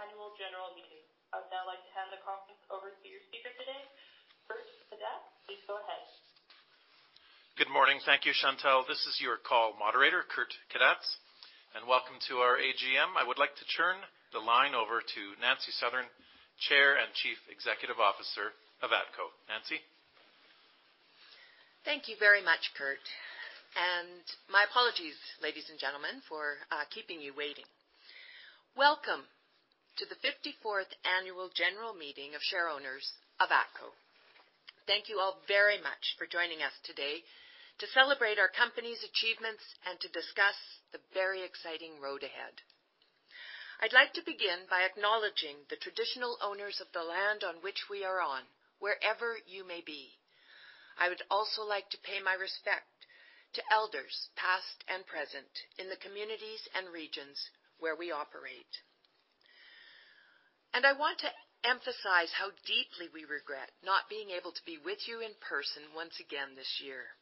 Good day. Thanks for standing by. Welcome to the ATCO Annual General Meeting. I would now like to hand the conference over to your speaker today. Kurt Kadatz, please go ahead. Good morning. Thank you, Chantelle. This is your call moderator, Kurt Kadatz, and welcome to our AGM. I would like to turn the line over to Nancy Southern, Chair and Chief Executive Officer of ATCO. Nancy? Thank you very much, Kurt. My apologies, ladies and gentlemen, for keeping you waiting. Welcome to the 54th Annual General Meeting of Share Owners of ATCO. Thank you all very much for joining us today to celebrate our company's achievements and to discuss the very exciting road ahead. I'd like to begin by acknowledging the traditional owners of the land on which we are on, wherever you may be. I would also like to pay my respect to elders, past and present, in the communities and regions where we operate. I want to emphasize how deeply we regret not being able to be with you in person once again this year.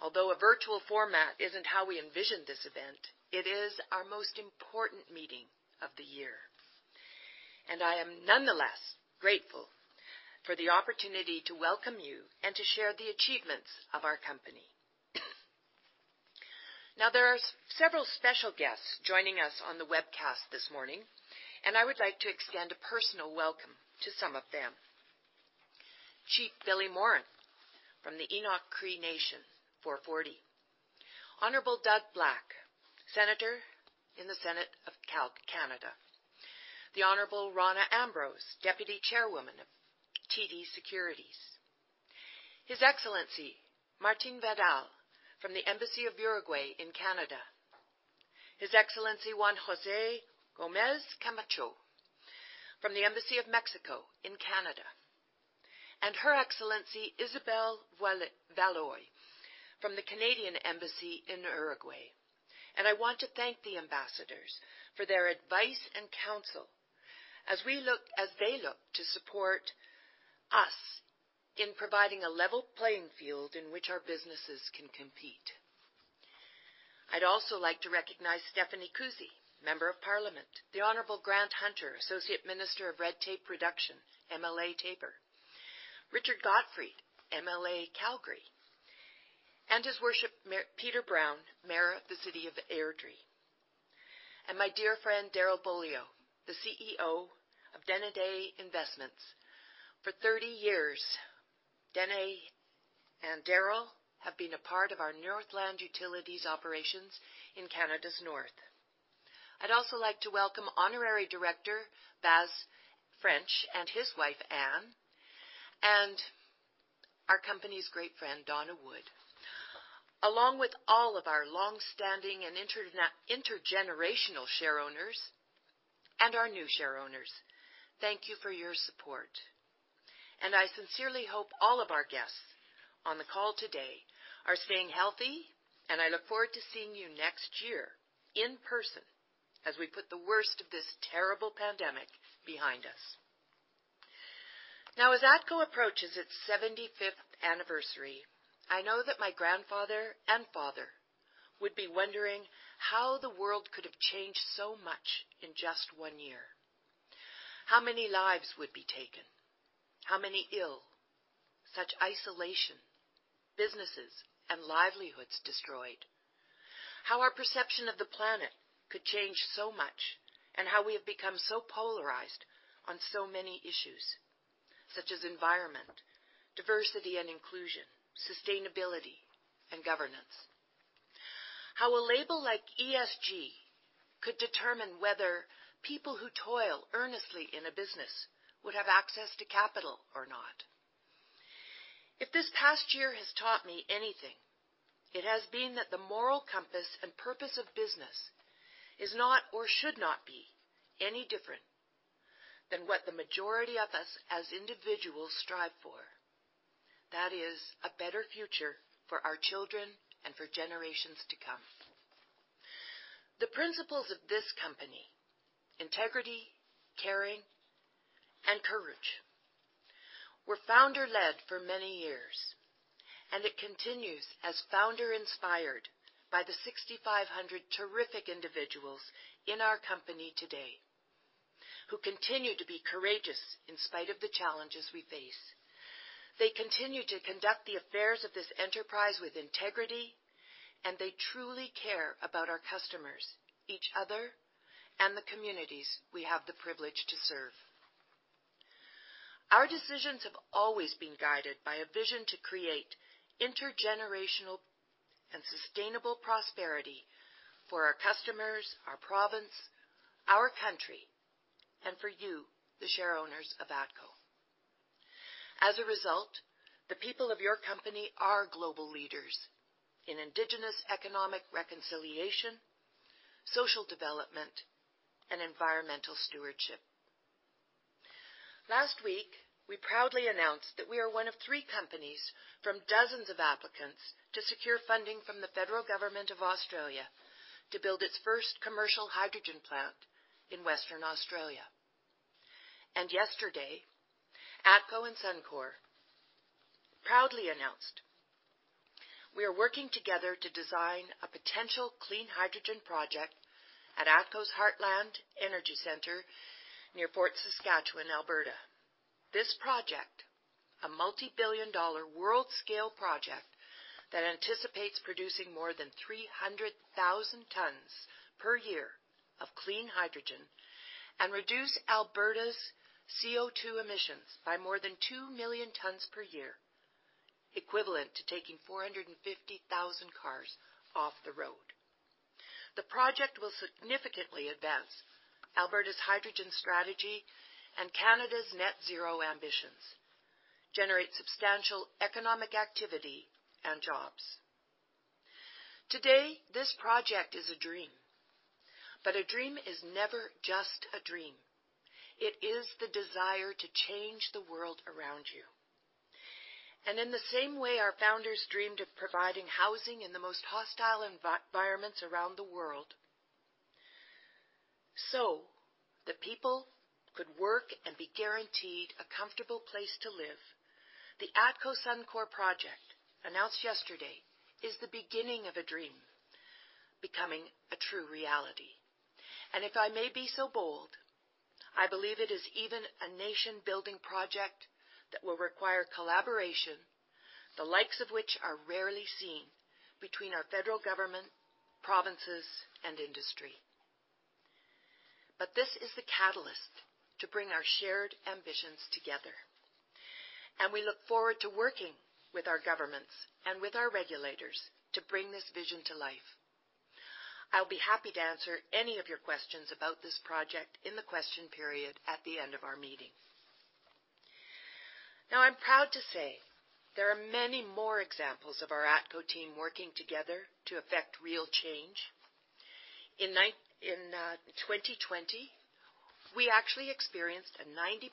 Although a virtual format isn't how we envisioned this event, it is our most important meeting of the year. I am nonetheless grateful for the opportunity to welcome you and to share the achievements of our company. There are several special guests joining us on the webcast this morning, and I would like to extend a personal welcome to some of them. Chief Billy Morin from the Enoch Cree Nation 440. Honorable Doug Black, Senator in the Senate of Canada. The Honorable Rona Ambrose, Deputy Chairwoman of TD Securities. His Excellency Martín Vidal from the Embassy of Uruguay in Canada. His Excellency Juan José Gómez Camacho from the Embassy of Mexico in Canada. Her Excellency Isabelle Valois from the Embassy of Canada to Uruguay. I want to thank the ambassadors for their advice and counsel as they look to support us in providing a level playing field in which our businesses can compete. I'd also like to recognize Stephanie Kusie, Member of Parliament; The Honorable Grant Hunter, Associate Minister of Red Tape Reduction, MLA Taber; Richard Gotfried, MLA Calgary; His Worship Peter Brown, Mayor of the City of Airdrie. My dear friend Darrell Beaulieu, the CEO of Denendeh Investments. For 30 years, Dene and Darrell have been a part of our Northland Utilities operations in Canada's North. I'd also like to welcome Honorary Director Baz French and his wife, Anne, and our company's great friend, Donna Wood, along with all of our longstanding and intergenerational share owners and our new share owners. Thank you for your support. I sincerely hope all of our guests on the call today are staying healthy, and I look forward to seeing you next year in person as we put the worst of this terrible pandemic behind us. Now, as ATCO approaches its 75th anniversary, I know that my grandfather and father would be wondering how the world could have changed so much in just one year. How many lives would be taken? How many ill? Such isolation, businesses, and livelihoods destroyed. How our perception of the planet could change so much, and how we have become so polarized on so many issues, such as environment, diversity and inclusion, sustainability, and governance. How a label like ESG could determine whether people who toil earnestly in a business would have access to capital or not. If this past year has taught me anything, it has been that the moral compass and purpose of business is not or should not be any different than what the majority of us as individuals strive for. That is a better future for our children and for generations to come. The principles of this company, integrity, caring, and courage, were founder-led for many years. It continues as founder-inspired by the 6,500 terrific individuals in our company today, who continue to be courageous in spite of the challenges we face. They continue to conduct the affairs of this enterprise with integrity, and they truly care about our customers, each other, and the communities we have the privilege to serve. Our decisions have always been guided by a vision to create intergenerational and sustainable prosperity for our customers, our province, our country, and for you, the share owners of ATCO. As a result, the people of your company are global leaders in indigenous economic reconciliation, social development, and environmental stewardship. Last week, we proudly announced that we are one of three companies from dozens of applicants to secure funding from the Government of Australia to build its first commercial hydrogen plant in Western Australia. Yesterday, ATCO and Suncor proudly announced. We are working together to design a potential clean hydrogen project at ATCO's Heartland Energy Centre near Fort Saskatchewan, Alberta. This project, a multi-billion dollar world-scale project that anticipates producing more than 300,000 tons per year of clean hydrogen and reduce Alberta's CO2 emissions by more than 2 million tons per year, equivalent to taking 450,000 cars off the road. The project will significantly advance Alberta's hydrogen strategy and Canada's Net Zero ambitions, generate substantial economic activity and jobs. Today, this project is a dream. A dream is never just a dream. It is the desire to change the world around you. In the same way our founders dreamed of providing housing in the most hostile environments around the world so the people could work and be guaranteed a comfortable place to live, the ATCO Suncor project, announced yesterday, is the beginning of a dream becoming a true reality. If I may be so bold, I believe it is even a nation-building project that will require collaboration, the likes of which are rarely seen between our federal government, provinces, and industry. This is the catalyst to bring our shared ambitions together. We look forward to working with our governments and with our regulators to bring this vision to life. I'll be happy to answer any of your questions about this project in the question period at the end of our meeting. I'm proud to say there are many more examples of our ATCO team working together to effect real change. In 2020, we actually experienced a 90%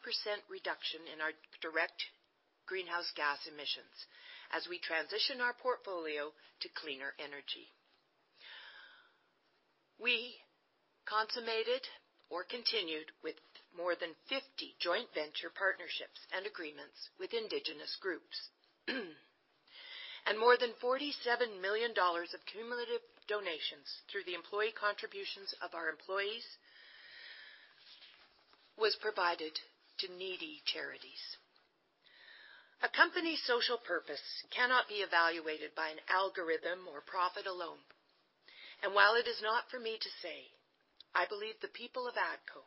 reduction in our direct greenhouse gas emissions as we transition our portfolio to cleaner energy. We consummated or continued with more than 50 joint venture partnerships and agreements with indigenous groups. More than 47 million dollars of cumulative donations through the employee contributions of our employees was provided to needy charities. A company's social purpose cannot be evaluated by an algorithm or profit alone. While it is not for me to say, I believe the people of ATCO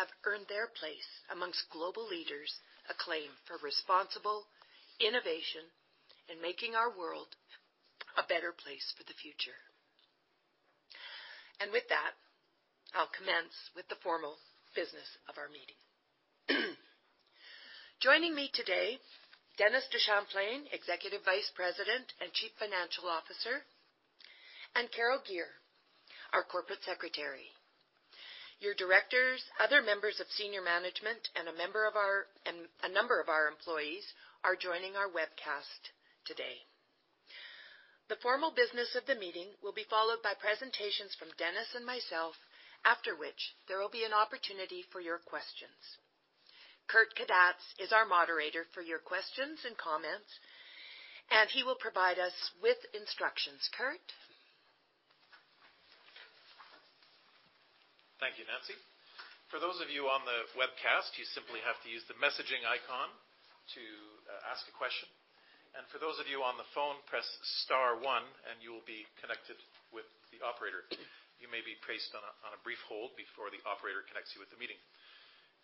have earned their place amongst global leaders acclaim for responsible innovation and making our world a better place for the future. With that, I'll commence with the formal business of our meeting. Joining me today, Dennis DeChamplain, Executive Vice President and Chief Financial Officer, and Carol Gear, our Corporate Secretary. Your directors, other members of senior management, and a number of our employees are joining our webcast today. The formal business of the meeting will be followed by presentations from Dennis and myself, after which there will be an opportunity for your questions. Kurt Kadatz is our moderator for your questions and comments, and he will provide us with instructions. Kurt? Thank you, Nancy. For those of you on the webcast, you simply have to use the messaging icon to ask a question. For those of you on the phone, press star one and you will be connected with the operator. You may be placed on a brief hold before the operator connects you with the meeting.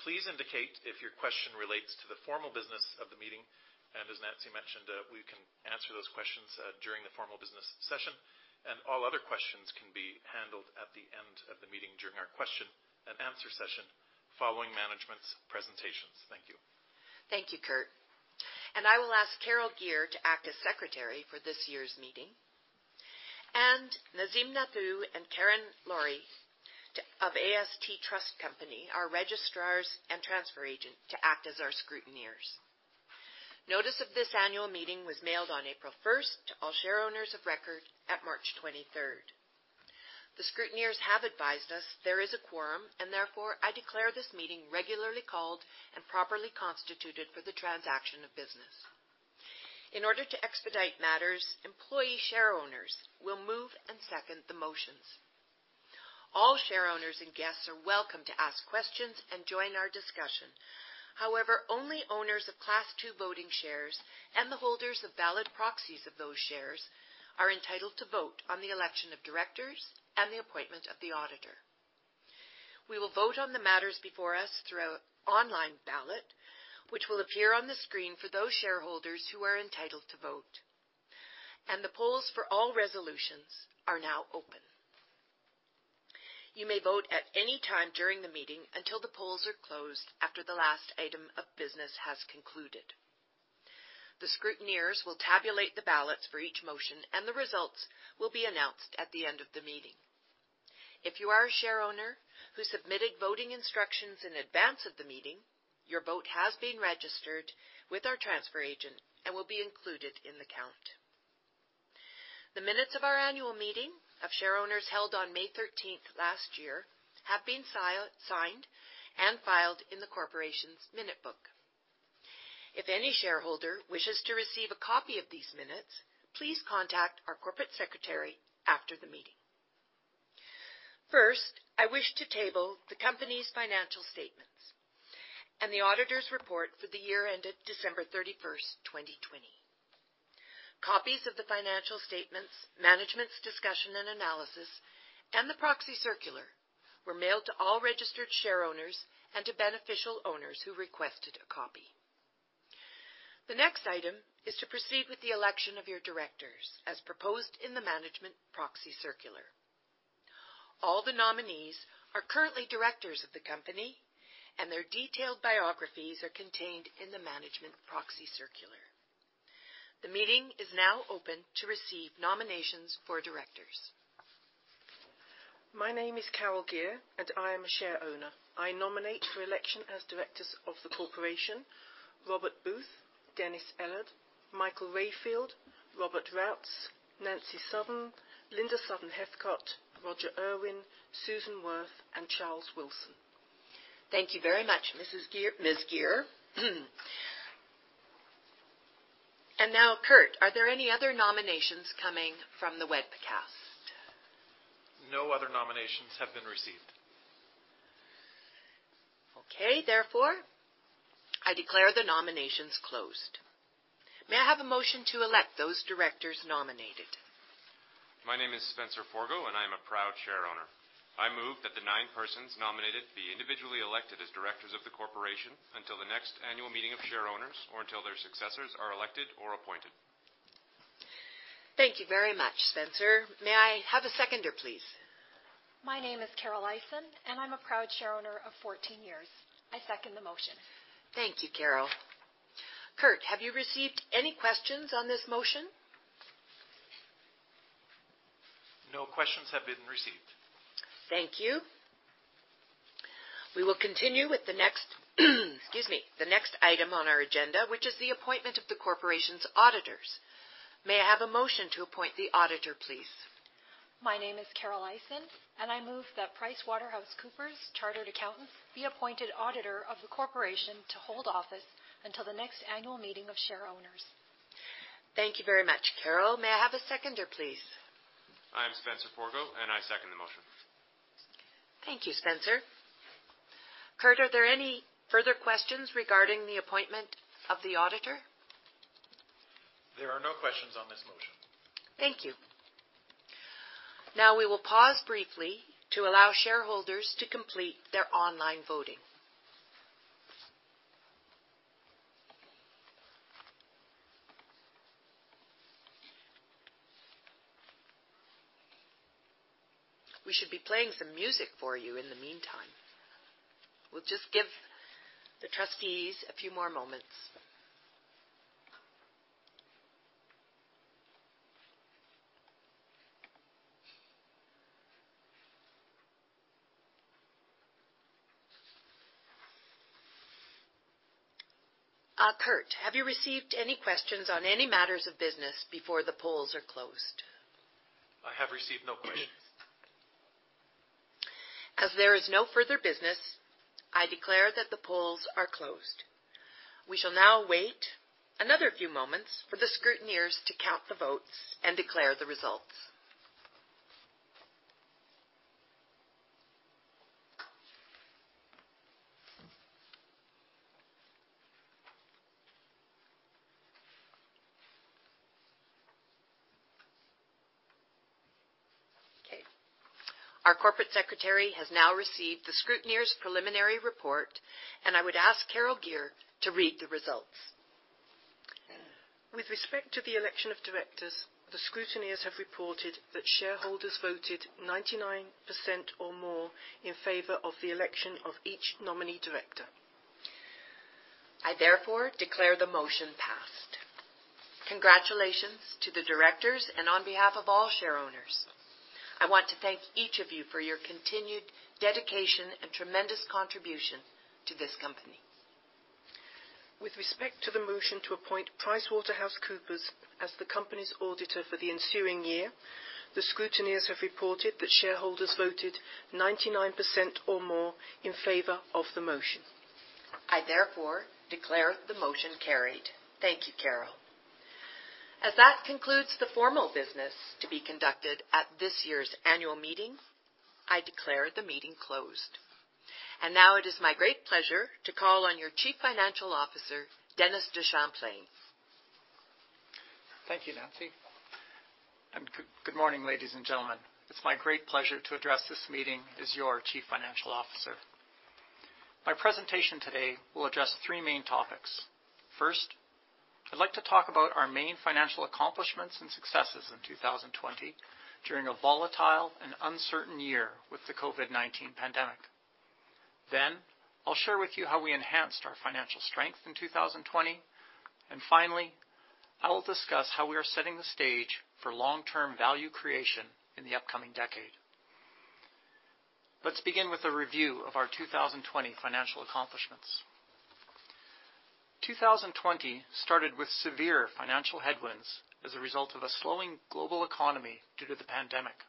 Please indicate if your question relates to the formal business of the meeting. As Nancy mentioned, we can answer those questions during the formal business session, and all other questions can be handled at the end of the meeting during our question-and-answer session following management's presentations. Thank you. Thank you, Kurt. I will ask Carol Gear to act as secretary for this year's meeting. Nazim Nathoo and Karen Laurie of AST Trust Company, our registrars and transfer agent, to act as our scrutineers. Notice of this annual meeting was mailed on April 1st to all share owners of record at March 23rd. The scrutineers have advised us there is a quorum, and therefore, I declare this meeting regularly called and properly constituted for the transaction of business. In order to expedite matters, employee share owners will move and second the motions. All share owners and guests are welcome to ask questions and join our discussion. However, only owners of Class II voting shares and the holders of valid proxies of those shares are entitled to vote on the election of directors and the appointment of the auditor. We will vote on the matters before us through our online ballot, which will appear on the screen for those shareholders who are entitled to vote. The polls for all resolutions are now open. You may vote at any time during the meeting until the polls are closed after the last item of business has concluded. The scrutineers will tabulate the ballots for each motion, and the results will be announced at the end of the meeting. If you are a share owner who submitted voting instructions in advance of the meeting, your vote has been registered with our transfer agent and will be included in the count. The minutes of our annual meeting of share owners held on May 13th last year have been signed and filed in the corporation's minute book. If any shareholder wishes to receive a copy of these minutes, please contact our corporate secretary after the meeting. First, I wish to table the company's financial statements and the auditors report for the year ended December 31st, 2020. Copies of the financial statements, management's discussion and analysis, and the proxy circular were mailed to all registered share owners and to beneficial owners who requested a copy. The next item is to proceed with the election of your directors as proposed in the management proxy circular. All the nominees are currently directors of the company, and their detailed biographies are contained in the management proxy circular. The meeting is now open to receive nominations for directors. My name is Carol Gear, and I am a share owner. I nominate for election as directors of the corporation, Robert Booth, Denis Ellard, Michael Rayfield, Robert Routs, Nancy Southern, Linda Southern-Heathcott, Roger Urwin, Susan Werth, and Charles Wilson. Thank you very much, Ms. Gear. Now, Kurt, are there any other nominations coming from the webcast? No other nominations have been received. Okay, therefore, I declare the nominations closed. May I have a motion to elect those directors nominated? My name is Spencer Forgo. I am a proud share owner. I move that the nine persons nominated be individually elected as directors of the corporation until the next annual meeting of share owners or until their successors are elected or appointed. Thank you very much, Spencer. May I have a seconder, please? My name is Carol Eisan. I'm a proud share owner of 14 years. I second the motion. Thank you, Carol. Kurt, have you received any questions on this motion? No questions have been received. Thank you. We will continue with the next item on our agenda, which is the appointment of the corporation's auditors. May I have a motion to appoint the auditor, please? My name is Carol Eisan, and I move that PricewaterhouseCoopers chartered accountants be appointed auditor of the corporation to hold office until the next annual meeting of share owners. Thank you very much, Carol. May I have a seconder, please? I am Spencer Forgo, and I second the motion. Thank you, Spencer. Kurt, are there any further questions regarding the appointment of the auditor? There are no questions on this motion. Thank you. Now, we will pause briefly to allow shareholders to complete their online voting. We should be playing some music for you in the meantime. We'll just give the trustees a few more moments. Kurt, have you received any questions on any matters of business before the polls are closed? I have received no questions. As there is no further business, I declare that the polls are closed. We shall now wait another few moments for the scrutineers to count the votes and declare the results. Okay. Our Corporate Secretary has now received the scrutineers preliminary report, and I would ask Carol Gear to read the results. With respect to the election of directors, the scrutineers have reported that shareholders voted 99% or more in favor of the election of each nominee director. I therefore declare the motion passed. Congratulations to the directors, and on behalf of all share owners, I want to thank each of you for your continued dedication and tremendous contribution to this company. With respect to the motion to appoint PricewaterhouseCoopers as the company's auditor for the ensuing year, the scrutineers have reported that shareholders voted 99% or more in favor of the motion. I therefore declare the motion carried. Thank you, Carol. As that concludes the formal business to be conducted at this year's annual meeting, I declare the meeting closed. Now it is my great pleasure to call on your Chief Financial Officer, Dennis DeChamplain. Thank you, Nancy. Good morning, ladies and gentlemen. It's my great pleasure to address this meeting as your Chief Financial Officer. My presentation today will address three main topics. First, I'd like to talk about our main financial accomplishments and successes in 2020 during a volatile and uncertain year with the COVID-19 pandemic. I'll share with you how we enhanced our financial strength in 2020. Finally, I will discuss how we are setting the stage for long-term value creation in the upcoming decade. Let's begin with a review of our 2020 financial accomplishments. 2020 started with severe financial headwinds as a result of a slowing global economy due to the pandemic.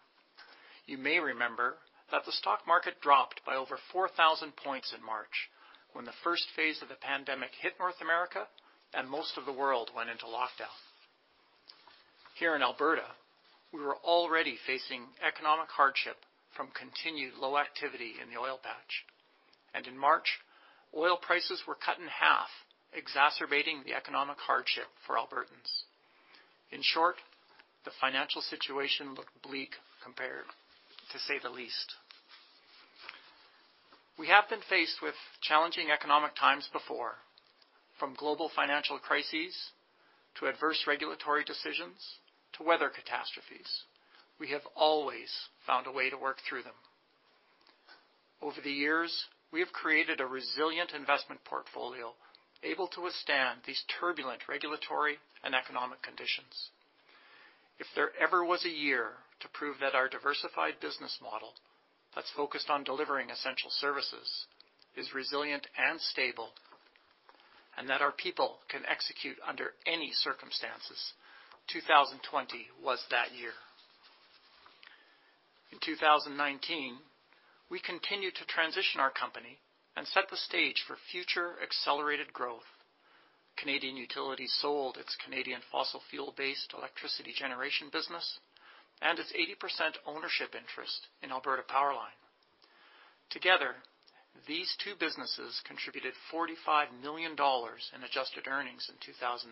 You may remember that the stock market dropped by over 4,000 points in March, when the first phase of the pandemic hit North America and most of the world went into lockdown. Here in Alberta, we were already facing economic hardship from continued low activity in the oil patch. In March, oil prices were cut in half, exacerbating the economic hardship for Albertans. In short, the financial situation looked bleak, to say the least. We have been faced with challenging economic times before, from global financial crises to adverse regulatory decisions, to weather catastrophes. We have always found a way to work through them. Over the years, we have created a resilient investment portfolio, able to withstand these turbulent regulatory and economic conditions. If there ever was a year to prove that our diversified business model, that's focused on delivering essential services, is resilient and stable, and that our people can execute under any circumstances, 2020 was that year. In 2019, we continued to transition our company and set the stage for future accelerated growth. Canadian Utilities sold its Canadian fossil fuel-based electricity generation business and its 80% ownership interest in Alberta PowerLine. Together, these two businesses contributed 45 million dollars in adjusted earnings in 2019.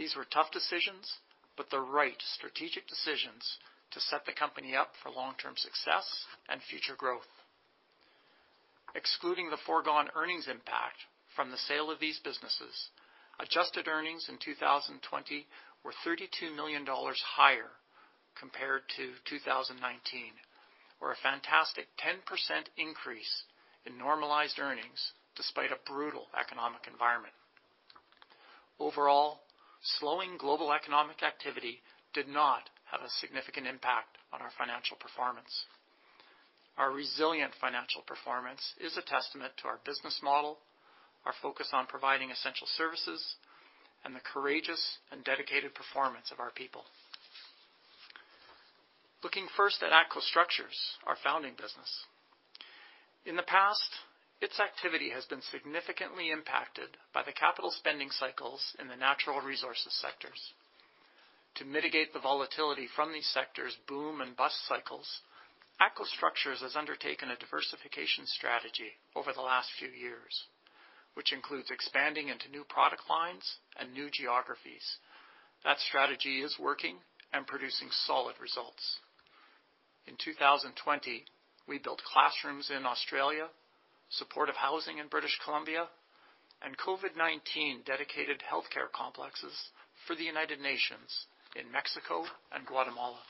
These were tough decisions, but the right strategic decisions to set the company up for long-term success and future growth. Excluding the foregone earnings impact from the sale of these businesses, adjusted earnings in 2020 were 32 million dollars higher compared to 2019. A fantastic 10% increase in normalized earnings despite a brutal economic environment. Overall, slowing global economic activity did not have a significant impact on our financial performance. Our resilient financial performance is a testament to our business model, our focus on providing essential services, and the courageous and dedicated performance of our people. Looking first at ATCO Structures, our founding business. In the past, its activity has been significantly impacted by the capital spending cycles in the natural resources sectors. To mitigate the volatility from these sectors' boom and bust cycles, ATCO Structures has undertaken a diversification strategy over the last few years, which includes expanding into new product lines and new geographies. That strategy is working and producing solid results. In 2020, we built classrooms in Australia, supportive housing in British Columbia, and COVID-19 dedicated healthcare complexes for the United Nations in Mexico and Guatemala.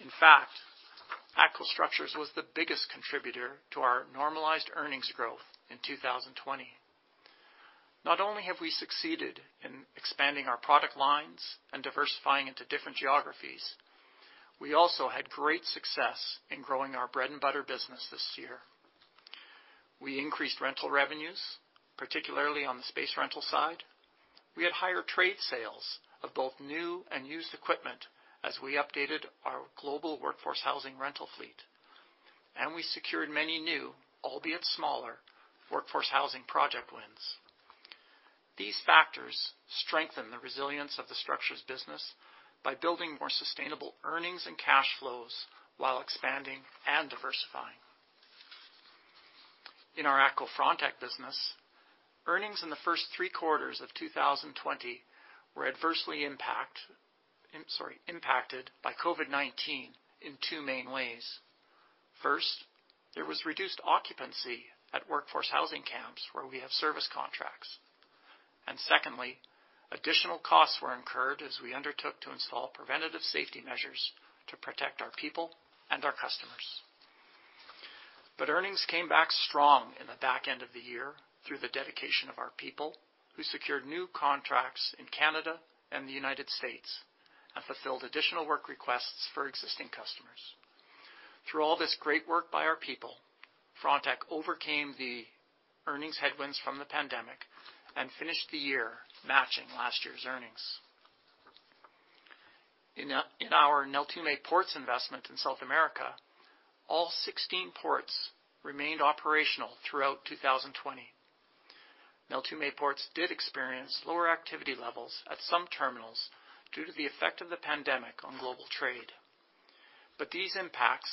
In fact, ATCO Structures was the biggest contributor to our normalized earnings growth in 2020. Not only have we succeeded in expanding our product lines and diversifying into different geographies, we also had great success in growing our bread-and-butter business this year. We increased rental revenues, particularly on the space rental side. We had higher trade sales of both new and used equipment as we updated our global workforce housing rental fleet. We secured many new, albeit smaller, workforce housing project wins. These factors strengthen the resilience of the structures business by building more sustainable earnings and cash flows while expanding and diversifying. In our ATCO Frontec business, earnings in the first three quarters of 2020 were adversely impacted by COVID-19 in two main ways. First, there was reduced occupancy at workforce housing camps where we have service contracts. Secondly, additional costs were incurred as we undertook to install preventative safety measures to protect our people and our customers. Earnings came back strong in the back end of the year through the dedication of our people, who secured new contracts in Canada and the United States and fulfilled additional work requests for existing customers. Through all this great work by our people, Frontec overcame the earnings headwinds from the pandemic and finished the year matching last year's earnings. In our Neltume Ports investment in South America, all 16 ports remained operational throughout 2020. Neltume Ports did experience lower activity levels at some terminals due to the effect of the pandemic on global trade. These impacts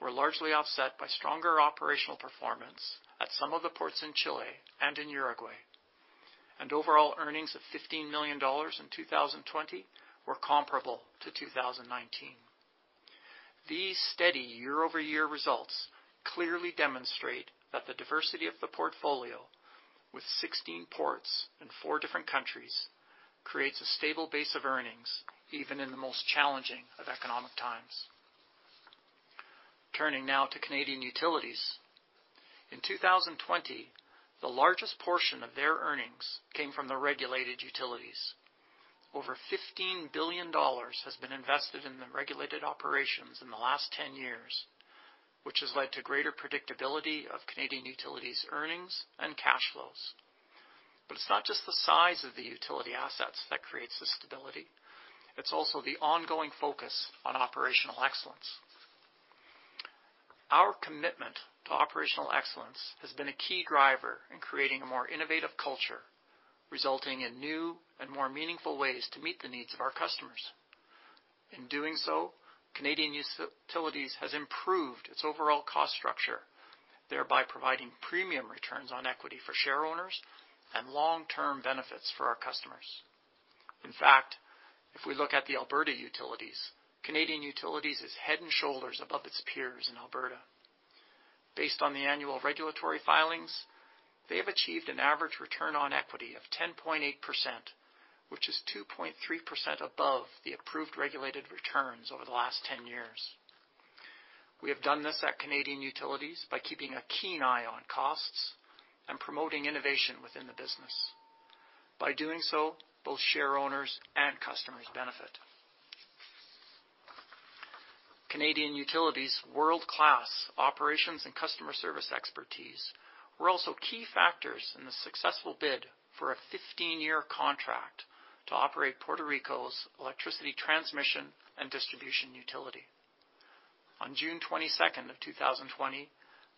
were largely offset by stronger operational performance at some of the ports in Chile and in Uruguay. Overall earnings of 15 million dollars in 2020 were comparable to 2019. These steady year-over-year results clearly demonstrate that the diversity of the portfolio, with 16 ports in four different countries, creates a stable base of earnings, even in the most challenging of economic times. Turning now to Canadian Utilities. In 2020, the largest portion of their earnings came from the regulated utilities. Over 15 billion dollars has been invested in the regulated operations in the last 10 years, which has led to greater predictability of Canadian Utilities' earnings and cash flows. It's not just the size of the utility assets that creates the stability. It's also the ongoing focus on operational excellence. Our commitment to operational excellence has been a key driver in creating a more innovative culture, resulting in new and more meaningful ways to meet the needs of our customers. In doing so, Canadian Utilities has improved its overall cost structure, thereby providing premium returns on equity for shareowners and long-term benefits for our customers. In fact, if we look at the Alberta utilities, Canadian Utilities is head and shoulders above its peers in Alberta. Based on the annual regulatory filings, they have achieved an average return on equity of 10.8%, which is 2.3% above the approved regulated returns over the last 10 years. We have done this at Canadian Utilities by keeping a keen eye on costs and promoting innovation within the business. By doing so, both shareowners and customers benefit. Canadian Utilities' world-class operations and customer service expertise were also key factors in the successful bid for a 15-year contract to operate Puerto Rico's electricity transmission and distribution utility. On June 22nd of 2020,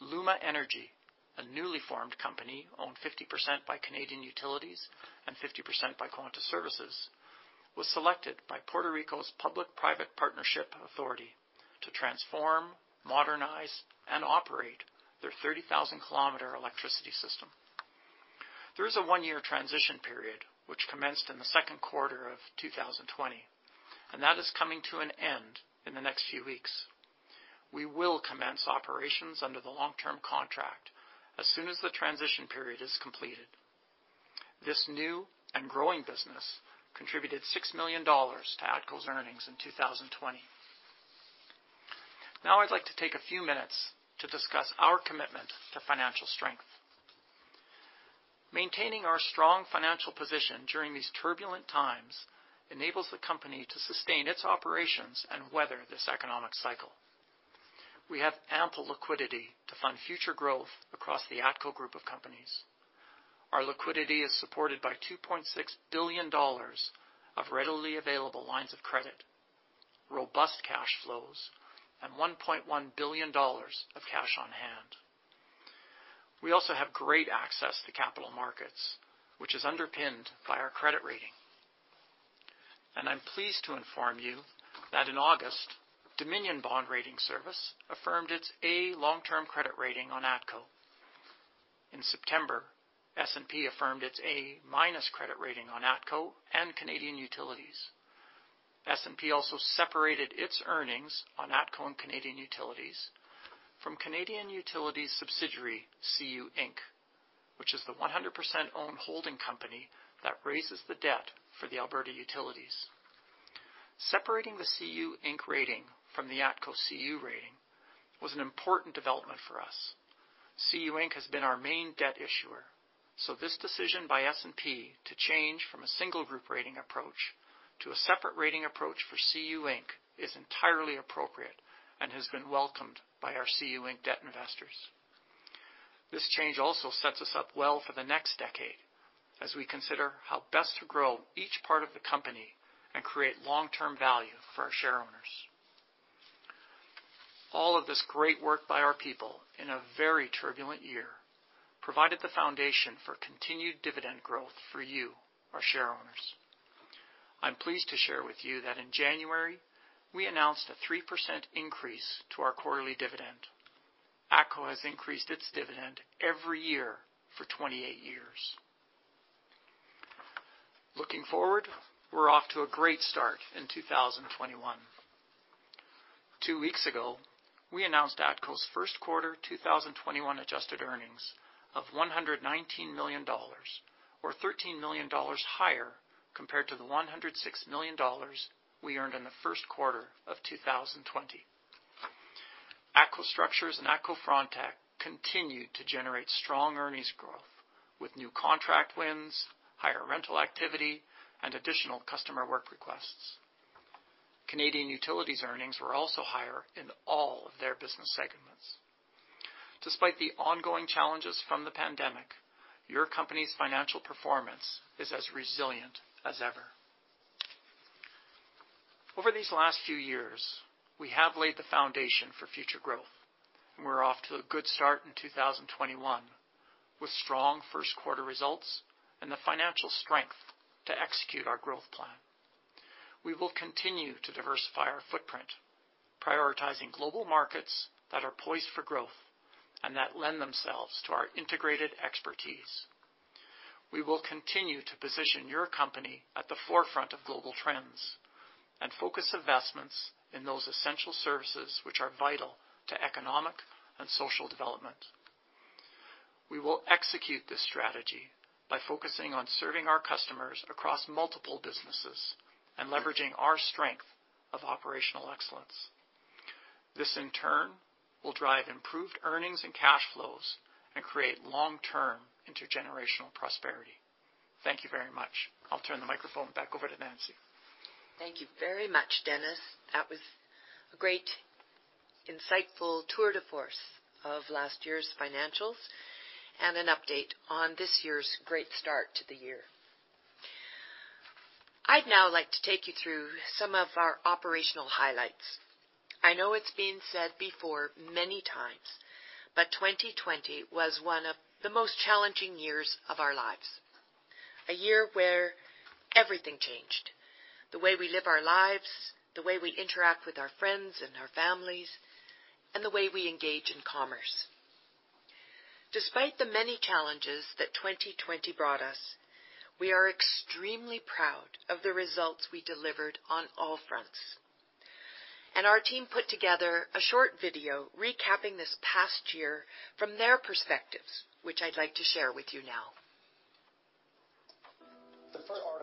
LUMA Energy, a newly formed company owned 50% by Canadian Utilities and 50% by Quanta Services, was selected by Puerto Rico's Public-Private Partnerships Authority to transform, modernize, and operate their 30,000 km electricity system. There is a one-year transition period, which commenced in the second quarter of 2020, and that is coming to an end in the next few weeks. We will commence operations under the long-term contract as soon as the transition period is completed. This new and growing business contributed 6 million dollars to ATCO's earnings in 2020. I'd like to take a few minutes to discuss our commitment to financial strength. Maintaining our strong financial position during these turbulent times enables the company to sustain its operations and weather this economic cycle. We have ample liquidity to fund future growth across the ATCO Group of companies. Our liquidity is supported by 2.6 billion dollars of readily available lines of credit, robust cash flows, and 1.1 billion dollars of cash on-hand. We also have great access to capital markets, which is underpinned by our credit rating. I'm pleased to inform you that in August, Dominion Bond Rating Service affirmed its A long-term credit rating on ATCO. In September, S&P affirmed its A- credit rating on ATCO and Canadian Utilities. S&P also separated its earnings on ATCO and Canadian Utilities from Canadian Utilities subsidiary, CU Inc., which is the 100%-owned holding company that raises the debt for the Alberta utilities. Separating the CU Inc. rating from the ATCO CU rating was an important development for us. CU Inc. has been our main debt issuer, so this decision by S&P to change from a single group rating approach to a separate rating approach for CU Inc. is entirely appropriate and has been welcomed by our CU Inc. debt investors. This change also sets us up well for the next decade as we consider how best to grow each part of the company and create long-term value for our shareowners. All of this great work by our people in a very turbulent year provided the foundation for continued dividend growth for you, our shareowners. I'm pleased to share with you that in January, we announced a 3% increase to our quarterly dividend. ATCO has increased its dividend every year for 28 years. Looking forward, we're off to a great start in 2021. Two weeks ago, we announced ATCO's first quarter 2021 adjusted earnings of 119 million dollars, or 13 million dollars higher compared to the 106 million dollars we earned in the first quarter of 2020. ATCO Structures and ATCO Frontec continued to generate strong earnings growth with new contract wins, higher rental activity, and additional customer work requests. Canadian Utilities earnings were also higher in all of their business segments. Despite the ongoing challenges from the pandemic, your company's financial performance is as resilient as ever. Over these last few years, we have laid the foundation for future growth. We're off to a good start in 2021 with strong first-quarter results and the financial strength to execute our growth plan. We will continue to diversify our footprint, prioritizing global markets that are poised for growth and that lend themselves to our integrated expertise. We will continue to position your company at the forefront of global trends and focus investments in those essential services which are vital to economic and social development. We will execute this strategy by focusing on serving our customers across multiple businesses and leveraging our strength of operational excellence. This in turn will drive improved earnings and cash flows and create long-term intergenerational prosperity. Thank you very much. I'll turn the microphone back over to Nancy. Thank you very much, Dennis. That was a great, insightful tour de force of last year's financials and an update on this year's great start to the year. I'd now like to take you through some of our operational highlights. I know it's been said before many times, 2020 was one of the most challenging years of our lives. A year where everything changed. The way we live our lives, the way we interact with our friends and our families, and the way we engage in commerce. Despite the many challenges that 2020 brought us, we are extremely proud of the results we delivered on all fronts. Our team put together a short video recapping this past year from their perspectives, which I'd like to share with you now. The first article of impeachment against Donald J. Trump,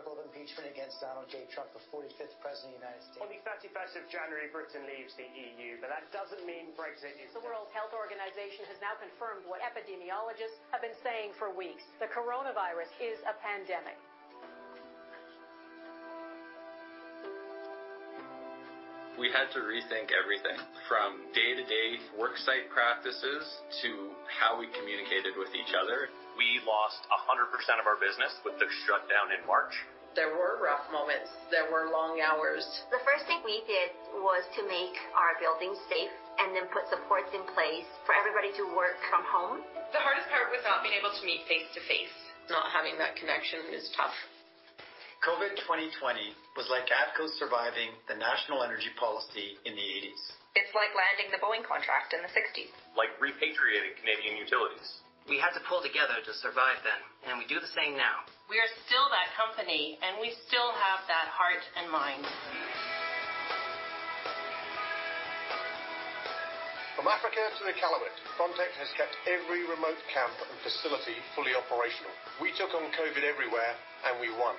the 45th president of the United States. On the 31st of January, Britain leaves the EU, but that doesn't mean Brexit is done. The World Health Organization has now confirmed what epidemiologists have been saying for weeks. The coronavirus is a pandemic. We had to rethink everything from day-to-day worksite practices to how we communicated with each other. We lost 100% of our business with the shutdown in March. There were rough moments. There were long hours. The first thing we did was to make our buildings safe and then put supports in place for everybody to work from home. The hardest part was not being able to meet face-to-face. Not having that connection is tough. COVID 2020 was like ATCO surviving the National Energy Program in the '80s. It's like landing the Boeing contract in the '60s. Like repatriating Canadian Utilities. We had to pull together to survive then, and we do the same now. We are still that company, and we still have that heart and mind. From Africa to Iqaluit, Frontec has kept every remote camp and facility fully operational. We took on COVID-19 everywhere and we won.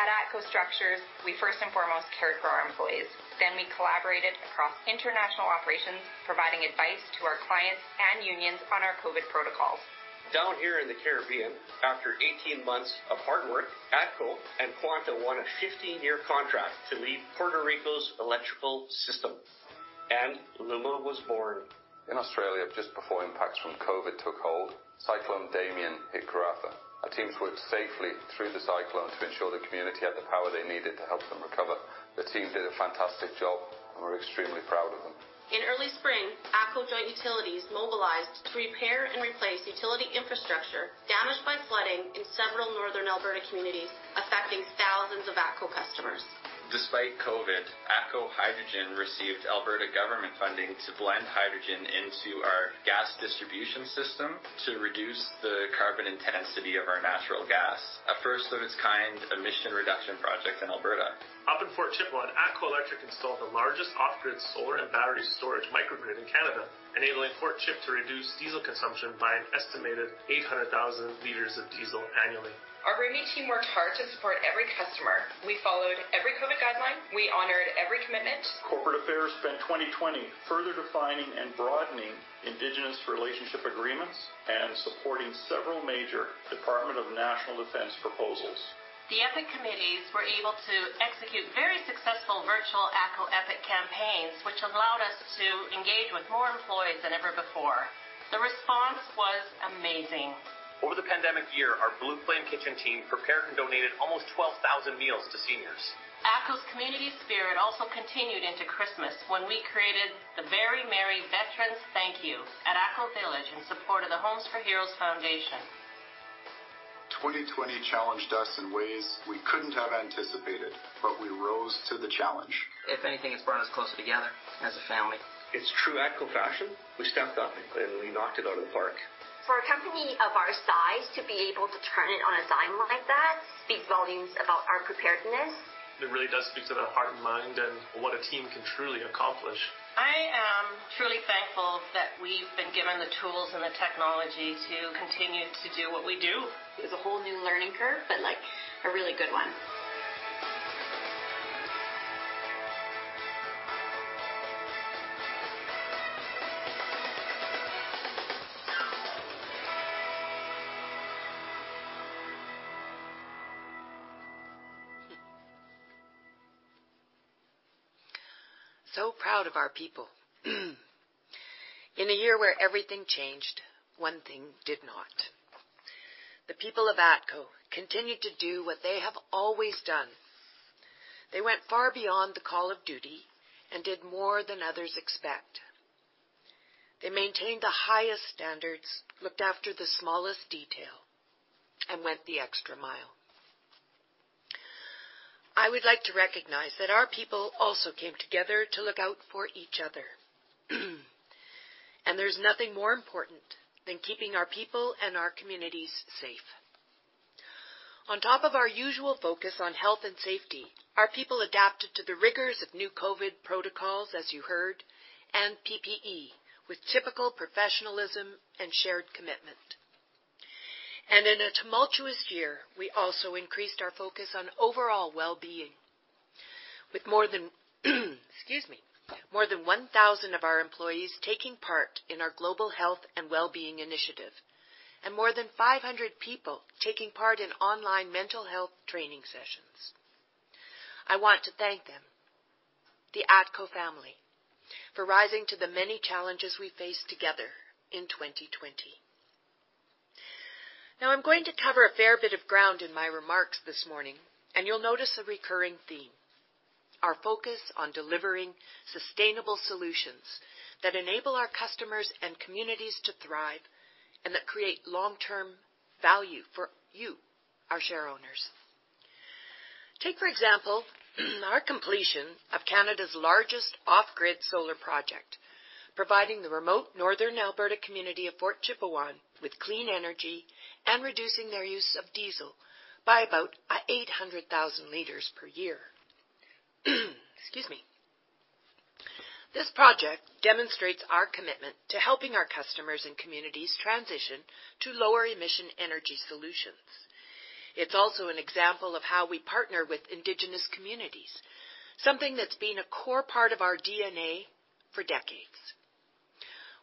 At ATCO Structures, we first and foremost cared for our employees. We collaborated across international operations, providing advice to our clients and unions on our COVID protocols. Down here in the Caribbean, after 18 months of hard work, ATCO and Quanta won a 15-year contract to lead Puerto Rico's electrical system, and LUMA was born. In Australia, just before impacts from COVID took hold, Cyclone Damien hit Karratha. Our teams worked safely through the cyclone to ensure the community had the power they needed to help them recover. The team did a fantastic job, and we're extremely proud of them. In early spring, ATCO Joint Utilities mobilized to repair and replace utility infrastructure damaged by flooding in several northern Alberta communities, affecting thousands of ATCO customers. Despite COVID, ATCO Hydrogen received Alberta government funding to blend hydrogen into our gas distribution system to reduce the carbon intensity of our natural gas. A first of its kind emission reduction project in Alberta. Up in Fort Chip, ATCO Electric installed the largest off-grid solar and battery storage microgrid in Canada, enabling Fort Chip to reduce diesel consumption by an estimated 800,000 liters of diesel annually. Our Rümi team worked hard to support every customer. We followed every COVID-19 guideline. We honored every commitment. Corporate Affairs spent 2020 further defining and broadening Indigenous relationship agreements and supporting several major Department of National Defense proposals. The EPIC committees were able to execute very successful virtual ATCO EPIC campaigns, which allowed us to engage with more employees than ever before. The response was amazing. Over the pandemic year, our Blue Flame Kitchen team prepared and donated almost 12,000 meals to seniors. ATCO's community spirit also continued into Christmas when we created the Very Merry Veterans Thank You at ATCO Village in support of the Homes for Heroes Foundation. 2020 challenged us in ways we couldn't have anticipated, but we rose to the challenge. If anything, it's brought us closer together as a family. It's true ATCO fashion. We stepped up and we knocked it out of the park. For a company of our size to be able to turn it on a dime like that speaks volumes about our preparedness. It really does speak to the heart and mind and what a team can truly accomplish. I am truly thankful that we've been given the tools and the technology to continue to do what we do. It was a whole new learning curve, but a really good one. Proud of our people. In a year where everything changed, one thing did not. The people of ATCO continued to do what they have always done. They went far beyond the call of duty and did more than others expect. They maintained the highest standards, looked after the smallest detail, and went the extra mile. I would like to recognize that our people also came together to look out for each other. There's nothing more important than keeping our people and our communities safe. On top of our usual focus on health and safety, our people adapted to the rigors of new COVID protocols, as you heard, and PPE with typical professionalism and shared commitment. In a tumultuous year, we also increased our focus on overall wellbeing. With more than 1,000 of our employees taking part in our global health and wellbeing initiative, and more than 500 people taking part in online mental health training sessions. I want to thank them, the ATCO family, for rising to the many challenges we faced together in 2020. Now I'm going to cover a fair bit of ground in my remarks this morning, and you'll notice a recurring theme. Our focus on delivering sustainable solutions that enable our customers and communities to thrive, and that create long-term value for you, our share owners. Take, for example, our completion of Canada's largest off-grid solar project, providing the remote Northern Alberta community of Fort Chipewyan with clean energy and reducing their use of diesel by about 800,000 liters per year. Excuse me. This project demonstrates our commitment to helping our customers and communities transition to lower-emission energy solutions. It's also an example of how we partner with indigenous communities, something that's been a core part of our DNA for decades.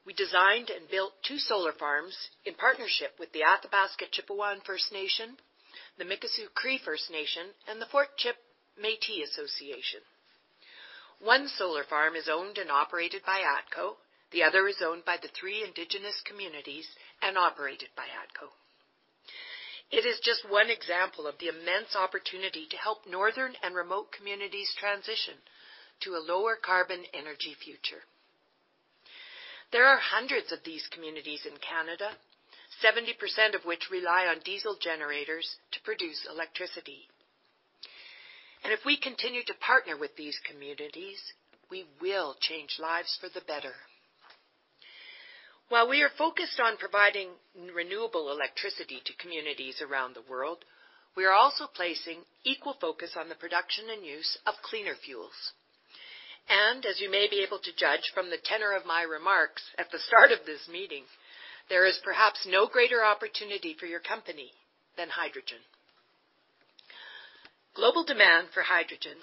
We designed and built two solar farms in partnership with the Athabasca Chipewyan First Nation, the Mikisew Cree First Nation, and the Fort Chip Métis Association. One solar farm is owned and operated by ATCO. The other is owned by the three indigenous communities and operated by ATCO. It is just one example of the immense opportunity to help northern and remote communities transition to a lower carbon energy future. There are hundreds of these communities in Canada, 70% of which rely on diesel generators to produce electricity. If we continue to partner with these communities, we will change lives for the better. While we are focused on providing renewable electricity to communities around the world, we are also placing equal focus on the production and use of cleaner fuels. As you may be able to judge from the tenor of my remarks at the start of this meeting, there is perhaps no greater opportunity for your company than hydrogen. Global demand for hydrogen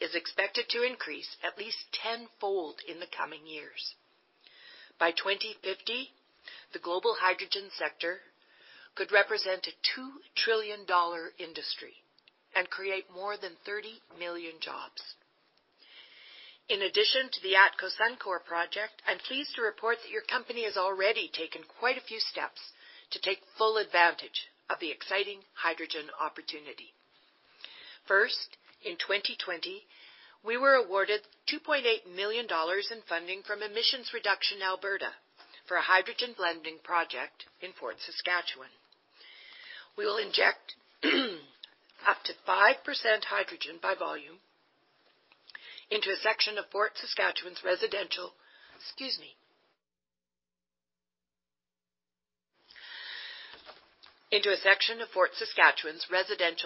is expected to increase at least tenfold in the coming years. By 2050, the global hydrogen sector could represent a 2 trillion dollar industry and create more than 30 million jobs. In addition to the ATCO Suncor project, I'm pleased to report that your company has already taken quite a few steps to take full advantage of the exciting hydrogen opportunity. First, in 2020, we were awarded 2.8 million dollars in funding from Emissions Reduction Alberta for a hydrogen blending project in Fort Saskatchewan. We will inject up to 5% hydrogen by volume into a section of Fort Saskatchewan's residential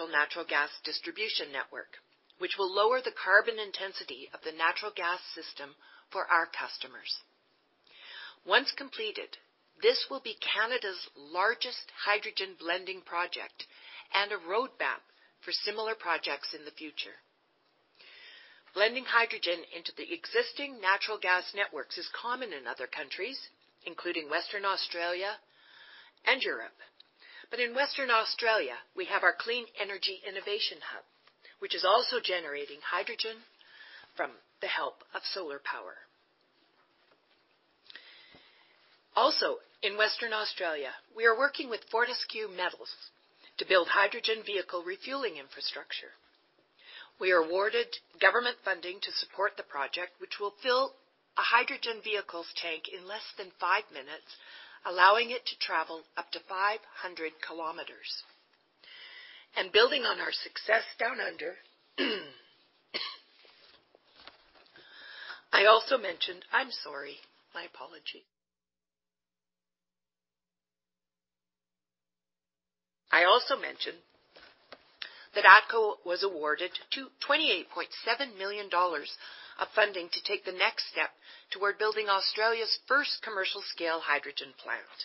natural gas distribution network, which will lower the carbon intensity of the natural gas system for our customers. Once completed, this will be Canada's largest hydrogen blending project and a roadmap for similar projects in the future. Blending hydrogen into the existing natural gas networks is common in other countries, including Western Australia and Europe. In Western Australia, we have our clean energy innovation hub, which is also generating hydrogen from the help of solar power. Also, in Western Australia, we are working with Fortescue Metals to build hydrogen vehicle refueling infrastructure. We are awarded government funding to support the project, which will fill a hydrogen vehicle's tank in less than five minutes, allowing it to travel up to 500 km. Building on our success down under I also mentioned that ATCO was awarded 28.7 million dollars of funding to take the next step toward building Australia's first commercial-scale hydrogen plant.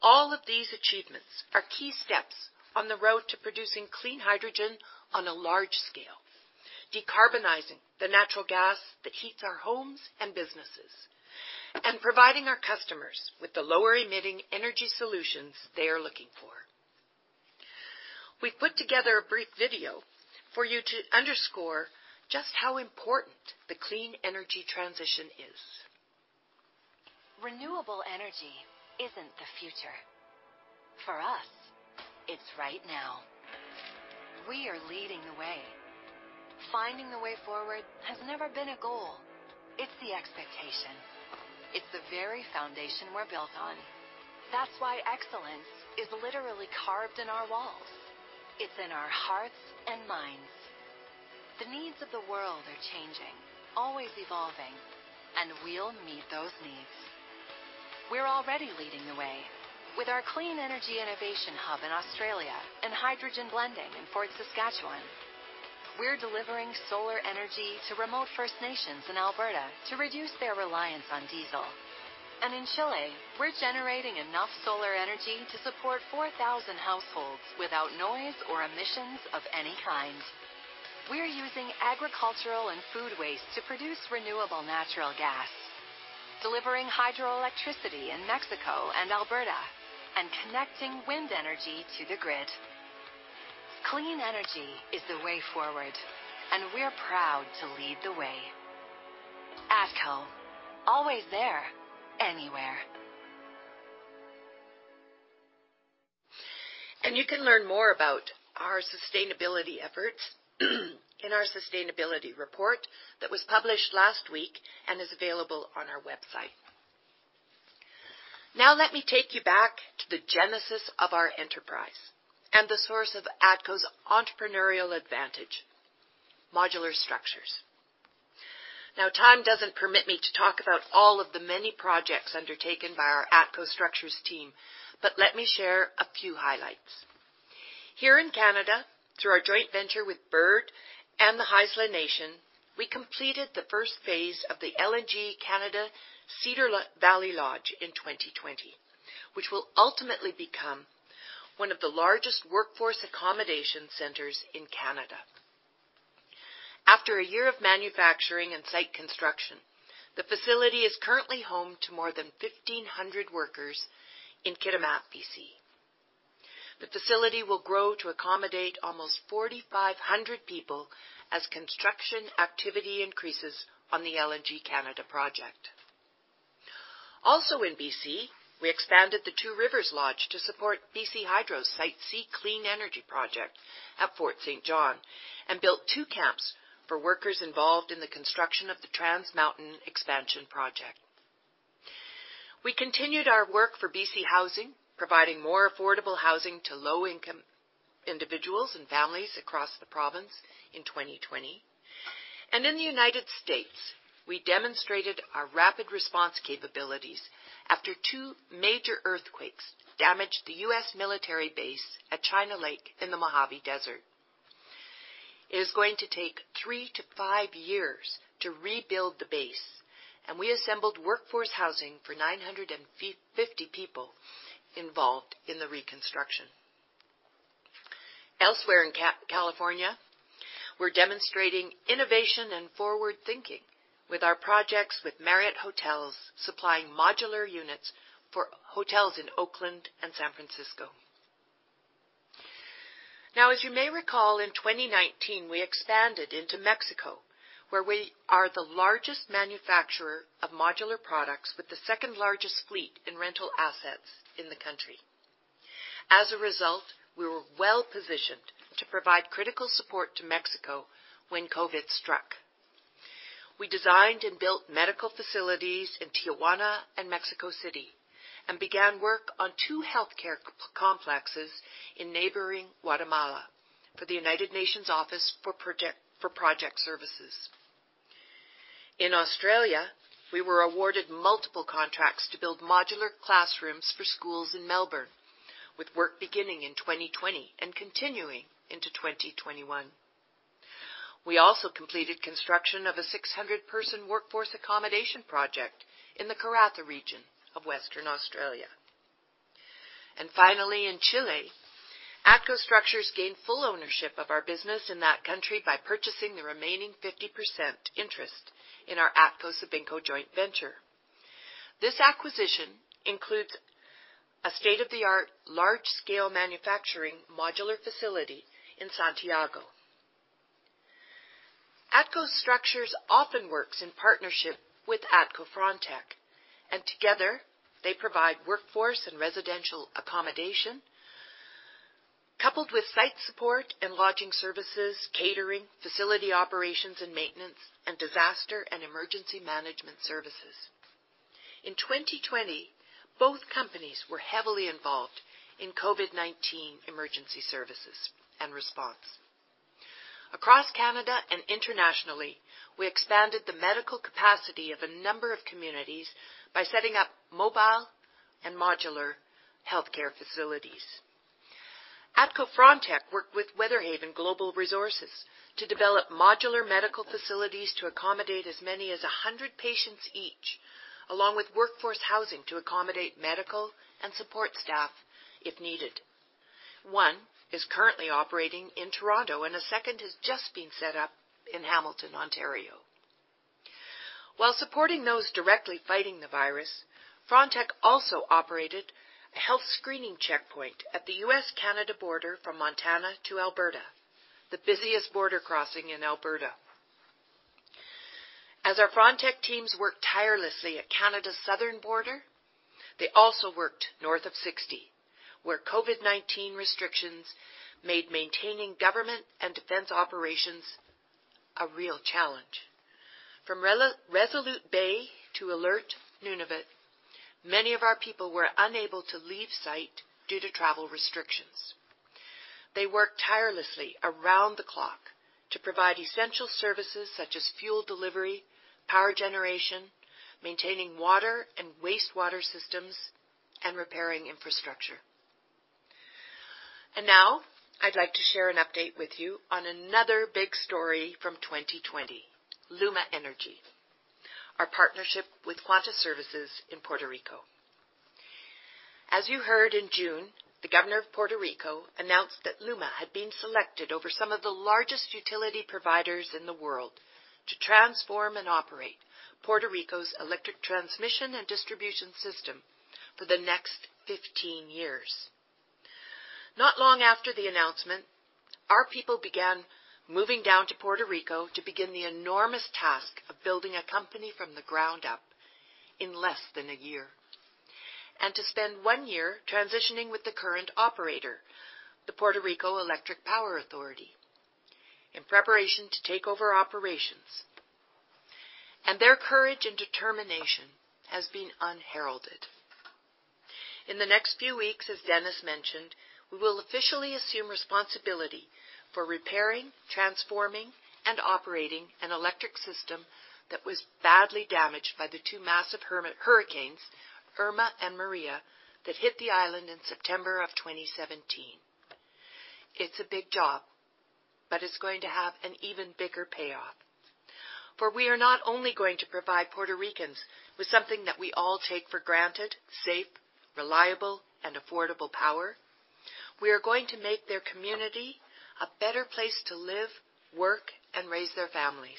All of these achievements are key steps on the road to producing clean hydrogen on a large scale, decarbonizing the natural gas that heats our homes and businesses, and providing our customers with the lower-emitting energy solutions they are looking for. We've put together a brief video for you to underscore just how important the clean energy transition is. Renewable energy isn't the future. For us, it's right now. We are leading the way. Finding the way forward has never been a goal. It's the expectation. It's the very foundation we're built on. That's why excellence is literally carved in our walls. It's in our hearts and minds. The needs of the world are changing, always evolving, and we'll meet those needs. We're already leading the way with our clean energy innovation hub in Australia and hydrogen blending in Fort Saskatchewan. We're delivering solar energy to remote First Nations in Alberta to reduce their reliance on diesel. In Chile, we're generating enough solar energy to support 4,000 households without noise or emissions of any kind. We're using agricultural and food waste to produce renewable natural gas, delivering hydroelectricity in Mexico and Alberta, and connecting wind energy to the grid. Clean energy is the way forward, and we're proud to lead the way. ATCO, always there, anywhere. You can learn more about our sustainability efforts in our sustainability report that was published last week and is available on our website. Let me take you back to the genesis of our enterprise and the source of ATCO's entrepreneurial advantage, modular structures. Time doesn't permit me to talk about all of the many projects undertaken by our ATCO Structures team, but let me share a few highlights. Here in Canada, through our joint venture with Bird and the Haisla Nation, we completed the first phase of the LNG Canada Cedar Valley Lodge in 2020, which will ultimately become one of the largest workforce accommodation centers in Canada. After a year of manufacturing and site construction, the facility is currently home to more than 1,500 workers in Kitimat, B.C. The facility will grow to accommodate almost 4,500 people as construction activity increases on the LNG Canada project. In B.C., we expanded the Two Rivers Lodge to support BC Hydro's Site C clean energy project at Fort St. John, and built two camps for workers involved in the construction of the Trans Mountain expansion project. We continued our work for BC Housing, providing more affordable housing to low-income individuals and families across the province in 2020. In the U.S., we demonstrated our rapid response capabilities after two major earthquakes damaged the U.S. military base at China Lake in the Mojave Desert. It is going to take three to five years to rebuild the base, and we assembled workforce housing for 950 people involved in the reconstruction. Elsewhere in California, we are demonstrating innovation and forward-thinking with our projects with Marriott Hotels, supplying modular units for hotels in Oakland and San Francisco. As you may recall, in 2019, we expanded into Mexico, where we are the largest manufacturer of modular products with the second-largest fleet in rental assets in the country. As a result, we were well-positioned to provide critical support to Mexico when COVID struck. We designed and built medical facilities in Tijuana and Mexico City and began work on two healthcare complexes in neighboring Guatemala for the United Nations Office for Project Services. In Australia, we were awarded multiple contracts to build modular classrooms for schools in Melbourne, with work beginning in 2020 and continuing into 2021. We also completed construction of a 600-person workforce accommodation project in the Karratha region of Western Australia. Finally, in Chile, ATCO Structures gained full ownership of our business in that country by purchasing the remaining 50% interest in our ATCO Sabinco joint venture. This acquisition includes a state-of-the-art large-scale manufacturing modular facility in Santiago. ATCO Structures often works in partnership with ATCO Frontec, and together they provide workforce and residential accommodation, coupled with site support and lodging services, catering, facility operations and maintenance, and disaster and emergency management services. In 2020, both companies were heavily involved in COVID-19 emergency services and response. Across Canada and internationally, we expanded the medical capacity of a number of communities by setting up mobile and modular healthcare facilities. ATCO Frontec worked with Weatherhaven Global Resources to develop modular medical facilities to accommodate as many as 100 patients each, along with workforce housing to accommodate medical and support staff if needed. One is currently operating in Toronto, and a second has just been set up in Hamilton, Ontario. While supporting those directly fighting the virus, Frontec also operated a health screening checkpoint at the U.S.-Canada border from Montana to Alberta, the busiest border crossing in Alberta. As our Frontec teams worked tirelessly at Canada's southern border, they also worked north of 60, where COVID-19 restrictions made maintaining government and defense operations a real challenge. From Resolute Bay to Alert, Nunavut, many of our people were unable to leave site due to travel restrictions. They worked tirelessly around the clock to provide essential services such as fuel delivery, power generation, maintaining water and wastewater systems, and repairing infrastructure. Now I'd like to share an update with you on another big story from 2020, LUMA Energy, our partnership with Quanta Services in Puerto Rico. As you heard in June, the governor of Puerto Rico announced that LUMA had been selected over some of the largest utility providers in the world to transform and operate Puerto Rico's electric transmission and distribution system for the next 15 years. Not long after the announcement, our people began moving down to Puerto Rico to begin the enormous task of building a company from the ground up in less than a year, and to spend one year transitioning with the current operator, the Puerto Rico Electric Power Authority, in preparation to take over operations. Their courage and determination has been unheralded. In the next few weeks, as Dennis mentioned, we will officially assume responsibility for repairing, transforming, and operating an electric system that was badly damaged by the two massive hurricanes, Irma and Maria, that hit the island in September of 2017. It's a big job, but it's going to have an even bigger payoff, for we are not only going to provide Puerto Ricans with something that we all take for granted, safe, reliable, and affordable power, we are going to make their community a better place to live, work, and raise their families.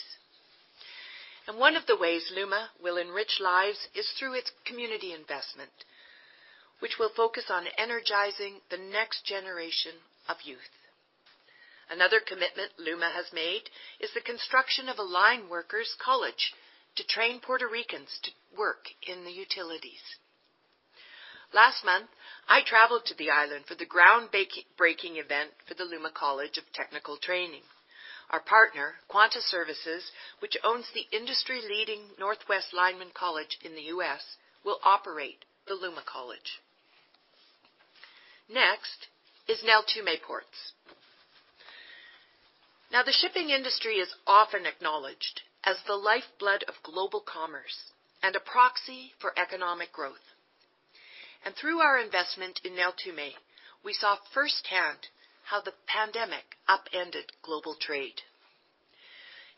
One of the ways LUMA will enrich lives is through its community investment, which will focus on energizing the next generation of youth. Another commitment LUMA has made is the construction of a line workers college to train Puerto Ricans to work in the utilities. Last month, I traveled to the island for the ground-breaking event for the LUMA College for Technical Training. Our partner, Quanta Services, which owns the industry-leading Northwest Lineman College in the U.S., will operate the LUMA College. Next is Neltume Ports. The shipping industry is often acknowledged as the lifeblood of global commerce and a proxy for economic growth. Through our investment in Neltume, we saw firsthand how the pandemic upended global trade.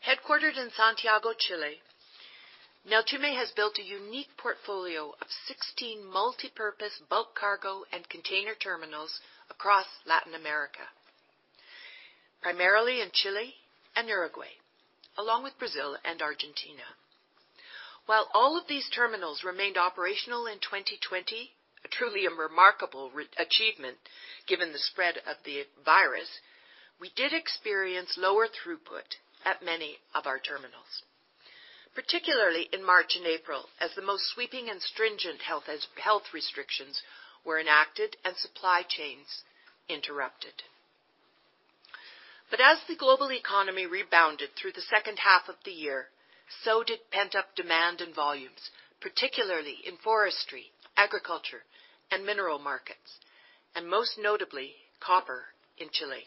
Headquartered in Santiago, Chile, Neltume has built a unique portfolio of 16 multipurpose bulk cargo and container terminals across Latin America, primarily in Chile and Uruguay, along with Brazil and Argentina. While all of these terminals remained operational in 2020, truly a remarkable achievement given the spread of the virus, we did experience lower throughput at many of our terminals, particularly in March and April, as the most sweeping and stringent health restrictions were enacted and supply chains interrupted. As the global economy rebounded through the second half of the year, so did pent-up demand and volumes, particularly in forestry, agriculture, and mineral markets, and most notably, copper in Chile.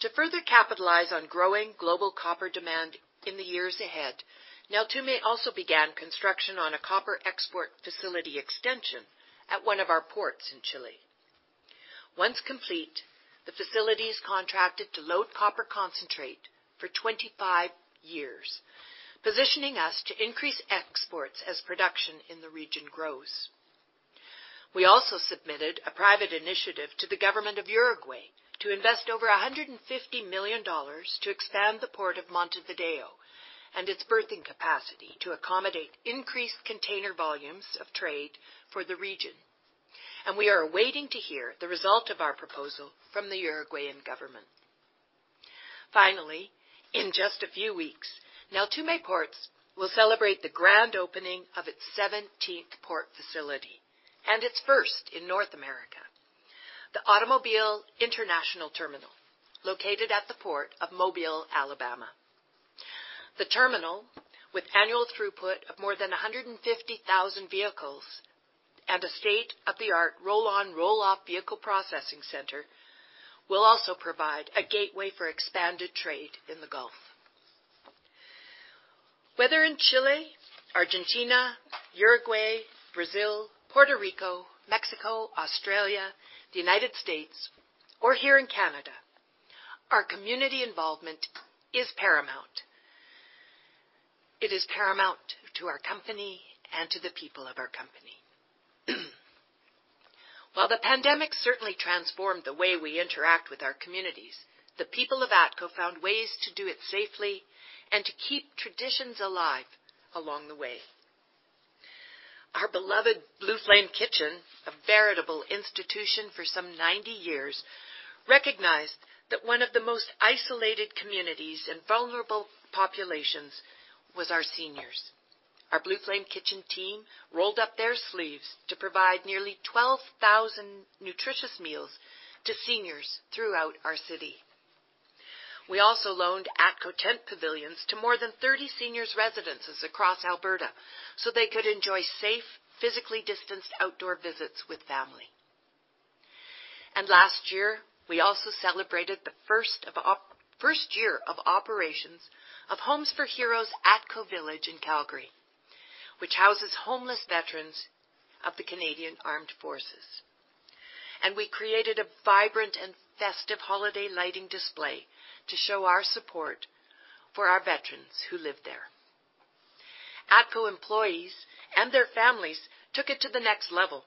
To further capitalize on growing global copper demand in the years ahead, Neltume also began construction on a copper export facility extension at one of our ports in Chile. Once complete, the facility's contracted to load copper concentrate for 25 years, positioning us to increase exports as production in the region grows. We also submitted a private initiative to the government of Uruguay to invest over 150 million dollars to expand the port of Montevideo and its berthing capacity to accommodate increased container volumes of trade for the region. We are waiting to hear the result of our proposal from the Uruguayan government. Finally, in just a few weeks, Neltume Ports will celebrate the grand opening of its 17th port facility and its first in North America, the AutoMobile International Terminal, located at the Port of Mobile, Alabama. The terminal, with annual throughput of more than 150,000 vehicles and a state-of-the-art roll-on/roll-off vehicle processing center, will also provide a gateway for expanded trade in the Gulf. Whether in Chile, Argentina, Uruguay, Brazil, Puerto Rico, Mexico, Australia, the United States, or here in Canada, our community involvement is paramount. It is paramount to our company and to the people of our company. While the pandemic certainly transformed the way we interact with our communities, the people of ATCO found ways to do it safely and to keep traditions alive along the way. Our beloved Blue Flame Kitchen, a veritable institution for some 90 years, recognized that one of the most isolated communities and vulnerable populations was our seniors. Our Blue Flame Kitchen team rolled up their sleeves to provide nearly 12,000 nutritious meals to seniors throughout our city. We also loaned ATCO tent pavilions to more than 30 seniors residences across Alberta so they could enjoy safe, physically distanced outdoor visits with family. Last year, we also celebrated the first year of operations of Homes for Heroes ATCO Village in Calgary, which houses homeless veterans of the Canadian Armed Forces. We created a vibrant and festive holiday lighting display to show our support for our veterans who live there. ATCO employees and their families took it to the next level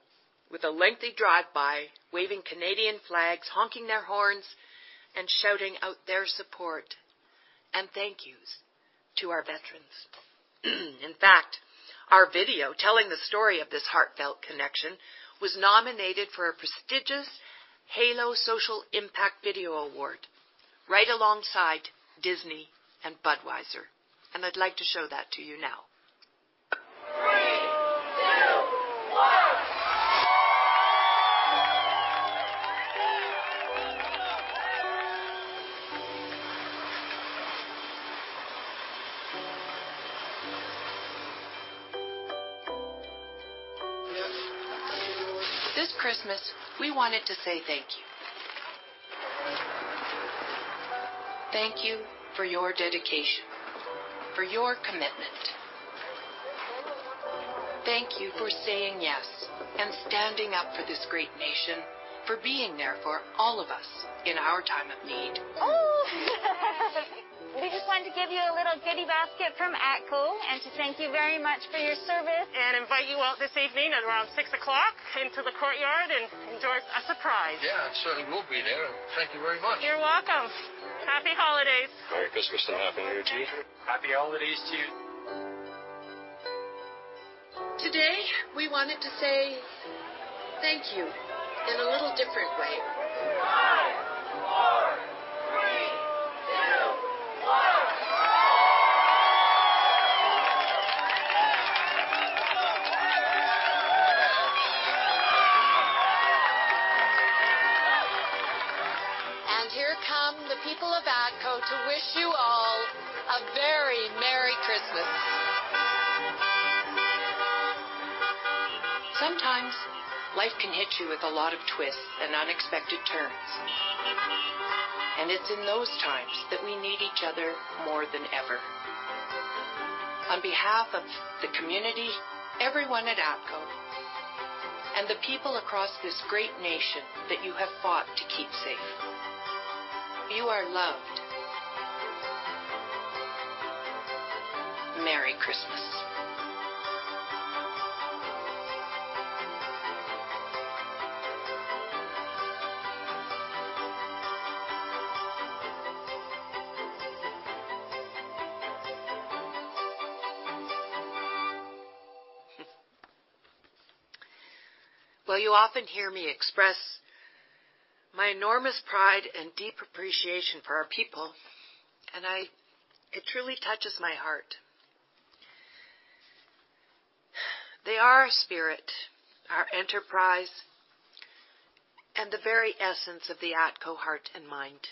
with a lengthy drive-by, waving Canadian flags, honking their horns, and shouting out their support and thank yous to our veterans. In fact, our video telling the story of this heartfelt connection was nominated for a prestigious Halo Social Impact Video Award, right alongside Disney and Budweiser, I'd like to show that to you now. Three, two, one. This Christmas, we wanted to say thank you. Thank you for your dedication, for your commitment. Thank you for saying yes and standing up for this great nation, for being there for all of us in our time of need. Oh. We just wanted to give you a little goodie basket from ATCO and to thank you very much for your service. Invite you all this evening at around six o'clock into the courtyard and enjoy a surprise. Yeah, I certainly will be there, and thank you very much. You're welcome. Happy holidays. Merry Christmas and Happy New Year to you. Happy holidays to you. Today, we wanted to say thank you in a little different way. Five, four, three, two, one. Here come the people of ATCO to wish you all a very merry Christmas. Sometimes life can hit you with a lot of twists and unexpected turns, and it's in those times that we need each other more than ever. On behalf of the community, everyone at ATCO, and the people across this great nation that you have fought to keep safe, you are loved. Merry Christmas. Well, you often hear me express my enormous pride and deep appreciation for our people, and it truly touches my heart. They are our spirit, our enterprise, and the very essence of the ATCO heart and mind.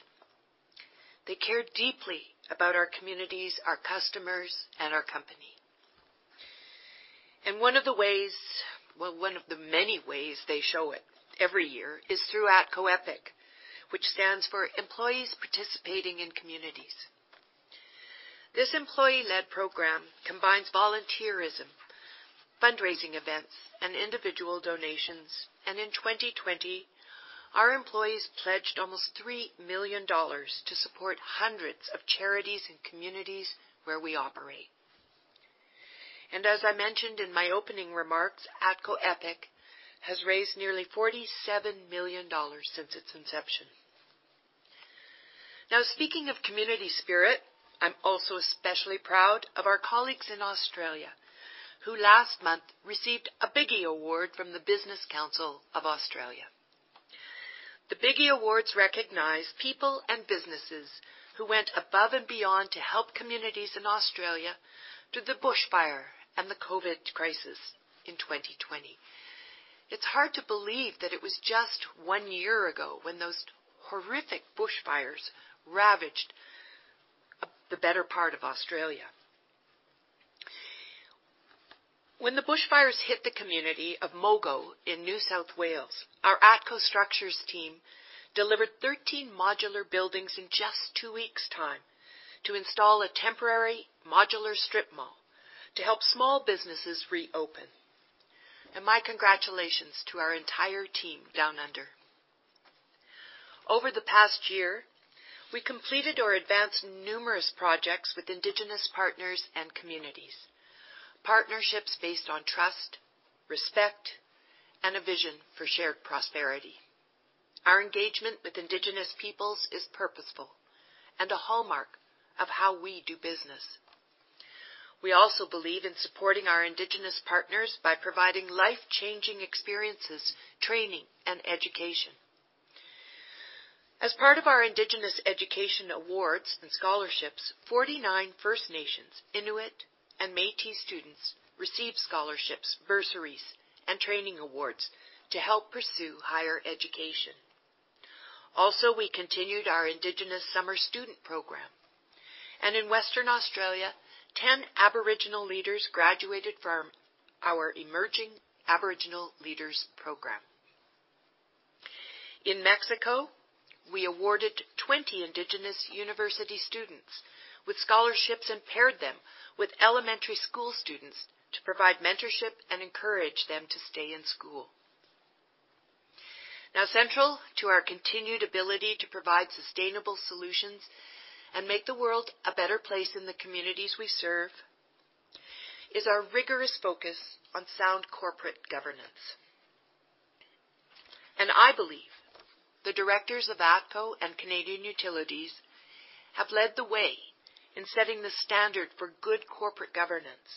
They care deeply about our communities, our customers, and our company. One of the ways, well, one of the many ways they show it every year is through ATCO EPIC, which stands for Employees Participating in Communities. This employee-led program combines volunteerism, fundraising events, and individual donations, and in 2020, our employees pledged almost 3 million dollars to support hundreds of charities and communities where we operate. As I mentioned in my opening remarks, ATCO EPIC has raised nearly 47 million dollars since its inception. Speaking of community spirit, I am also especially proud of our colleagues in Australia, who last month received a Biggie Award from the Business Council of Australia. The Biggie Awards recognize people and businesses who went above and beyond to help communities in Australia through the bush fire and the COVID crisis in 2020. It is hard to believe that it was just one year ago when those horrific bush fires ravaged the better part of Australia. When the bushfires hit the community of Mogo in New South Wales, our ATCO Structures team delivered 13 modular buildings in just two weeks' time to install a temporary modular strip mall to help small businesses reopen. My congratulations to our entire team down under. Over the past year, we completed or advanced numerous projects with Indigenous partners and communities, partnerships based on trust, respect, and a vision for shared prosperity. Our engagement with Indigenous peoples is purposeful and a hallmark of how we do business. We also believe in supporting our Indigenous partners by providing life-changing experiences, training, and education. As part of our Indigenous education awards and scholarships, 49 First Nations Inuit and Métis students received scholarships, bursaries, and training awards to help pursue higher education. We continued our Indigenous Summer Student Program. In Western Australia, 10 Aboriginal leaders graduated from our Emerging Aboriginal Leaders Program. In Mexico, we awarded 20 Indigenous university students with scholarships and paired them with elementary school students to provide mentorship and encourage them to stay in school. Central to our continued ability to provide sustainable solutions and make the world a better place in the communities we serve is our rigorous focus on sound corporate governance. I believe the directors of ATCO and Canadian Utilities have led the way in setting the standard for good corporate governance,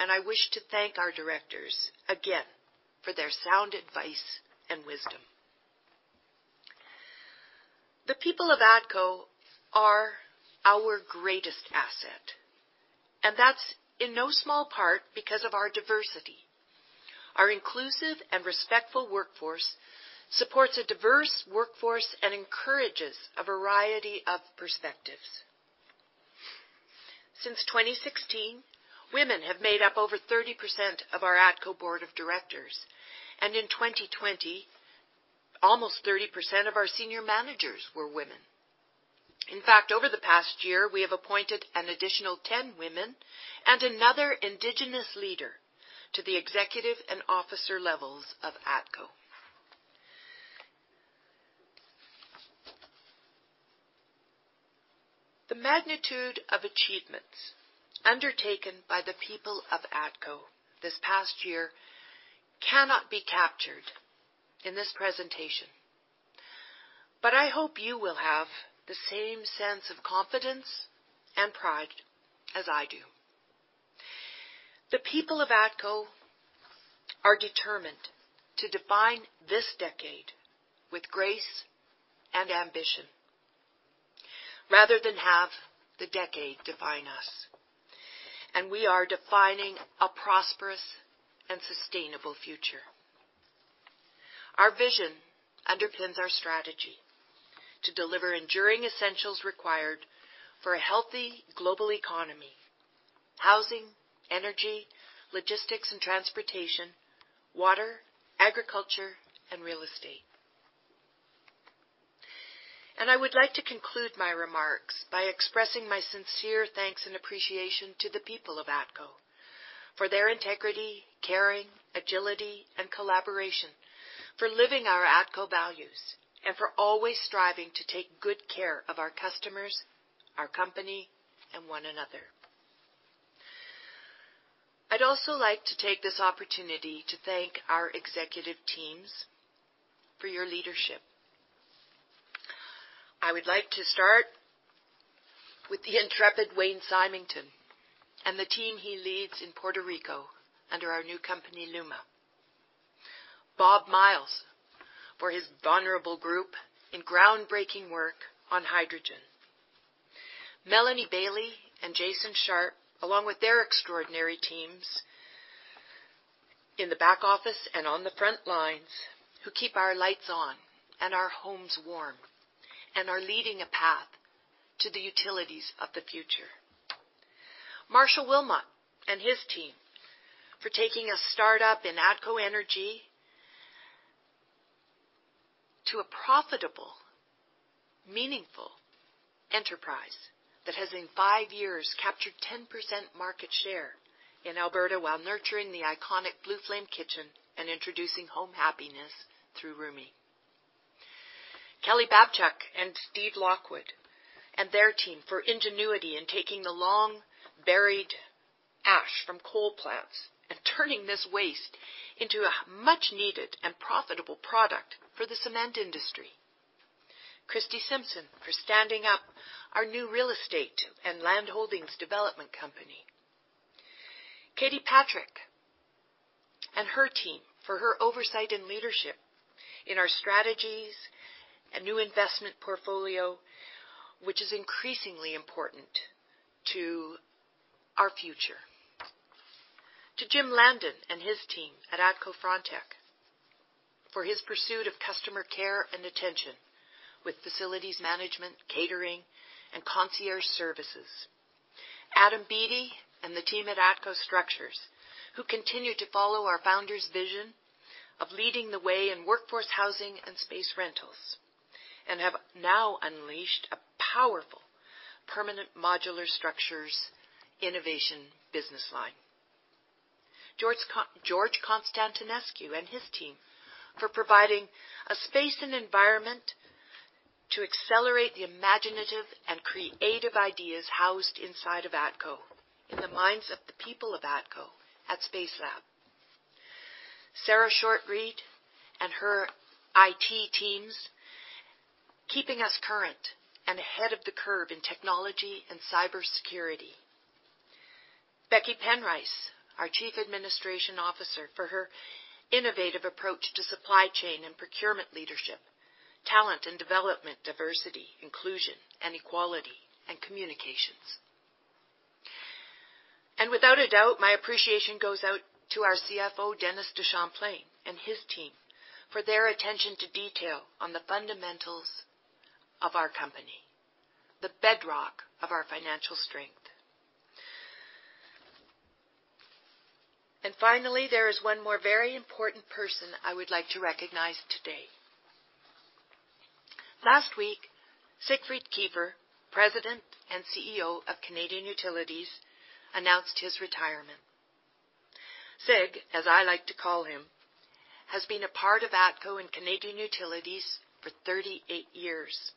and I wish to thank our directors again for their sound advice and wisdom. The people of ATCO are our greatest asset, and that's in no small part because of our diversity. Our inclusive and respectful workforce supports a diverse workforce and encourages a variety of perspectives. Since 2016, women have made up over 30% of our ATCO Board of Directors, and in 2020, almost 30% of our senior managers were women. In fact, over the past year, we have appointed an additional 10 women and another Indigenous leader to the executive and officer levels of ATCO. The magnitude of achievements undertaken by the people of ATCO this past year cannot be captured in this presentation, but I hope you will have the same sense of confidence and pride as I do. The people of ATCO are determined to define this decade with grace and ambition, rather than have the decade define us, and we are defining a prosperous and sustainable future. Our vision underpins our strategy to deliver enduring essentials required for a healthy global economy, housing, energy, logistics and transportation, water, agriculture, and real estate. I would like to conclude my remarks by expressing my sincere thanks and appreciation to the people of ATCO for their integrity, caring, agility, and collaboration, for living our ATCO values, and for always striving to take good care of our customers, our company, and one another. I'd also like to take this opportunity to thank our executive teams for your leadership. I would like to start with the intrepid Wayne Stensby and the team he leads in Puerto Rico under our new company, LUMA Energy. Bob Myles for his vulnerable group in groundbreaking work on hydrogen. Melanie Bayley and Jason Sharpe, along with their extraordinary teams in the back office and on the front lines, who keep our lights on and our homes warm and are leading a path to the utilities of the future. Marshall Wilmot and his team for taking a startup in ATCO Energy to a profitable, meaningful enterprise that has in five years captured 10% market share in Alberta while nurturing the iconic Blue Flame Kitchen and introducing home happiness through Rümi. Kelly Babchuk and Steve Lockwood and their team for ingenuity in taking the long-buried ash from coal plants and turning this waste into a much-needed and profitable product for the cement industry. Christie Simpson for standing up our new real estate and land holdings development company. Katie Patrick and her team for her oversight and leadership in our strategies and new investment portfolio, which is increasingly important to our future. To Jim Landon and his team at ATCO Frontec for his pursuit of customer care and attention with facilities management, catering, and concierge services. Adam Beattie and the team at ATCO Structures, who continue to follow our founder's vision of leading the way in workforce housing and space rentals and have now unleashed a powerful permanent modular structures innovation business line. George Constantinescu and his team, for providing a space and environment to accelerate the imaginative and creative ideas housed inside of ATCO in the minds of the people of ATCO at SpaceLab. Sarah Shortreed and her IT teams, keeping us current and ahead of the curve in technology and cybersecurity. Becky Penrice, our Chief Administration Officer, for her innovative approach to supply chain and procurement leadership, talent and development, diversity, inclusion and equality, and communications. Without a doubt, my appreciation goes out to our CFO, Dennis DeChamplain, and his team, for their attention to detail on the fundamentals of our company, the bedrock of our financial strength. Finally, there is one more very important person I would like to recognize today. Last week, Siegfried Kiefer, President and CEO of Canadian Utilities, announced his retirement. Sig, as I like to call him, has been a part of ATCO and Canadian Utilities for 38 years,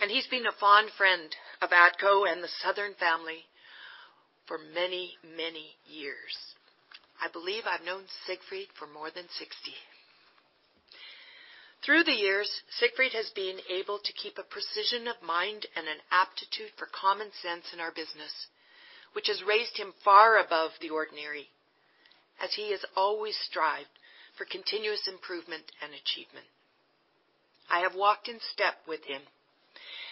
and he's been a fond friend of ATCO and the Southern family for many, many years. I believe I've known Siegfried for more than 60. Through the years, Siegfried has been able to keep a precision of mind and an aptitude for common sense in our business, which has raised him far above the ordinary, as he has always strived for continuous improvement and achievement. I have walked in step with him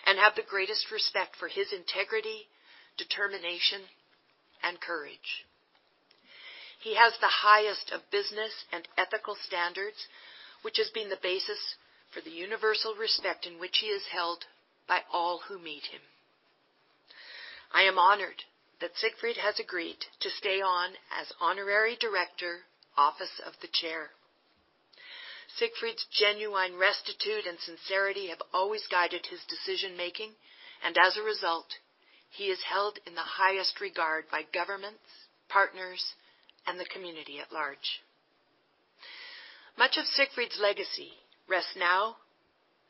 and have the greatest respect for his integrity, determination, and courage. He has the highest of business and ethical standards, which has been the basis for the universal respect in which he is held by all who meet him. I am honored that Siegfried has agreed to stay on as Honorary Director, Office of the Chair. Siegfried's genuine rectitude and sincerity have always guided his decision-making, and as a result, he is held in the highest regard by governments, partners, and the community at large. Much of Siegfried's legacy rests now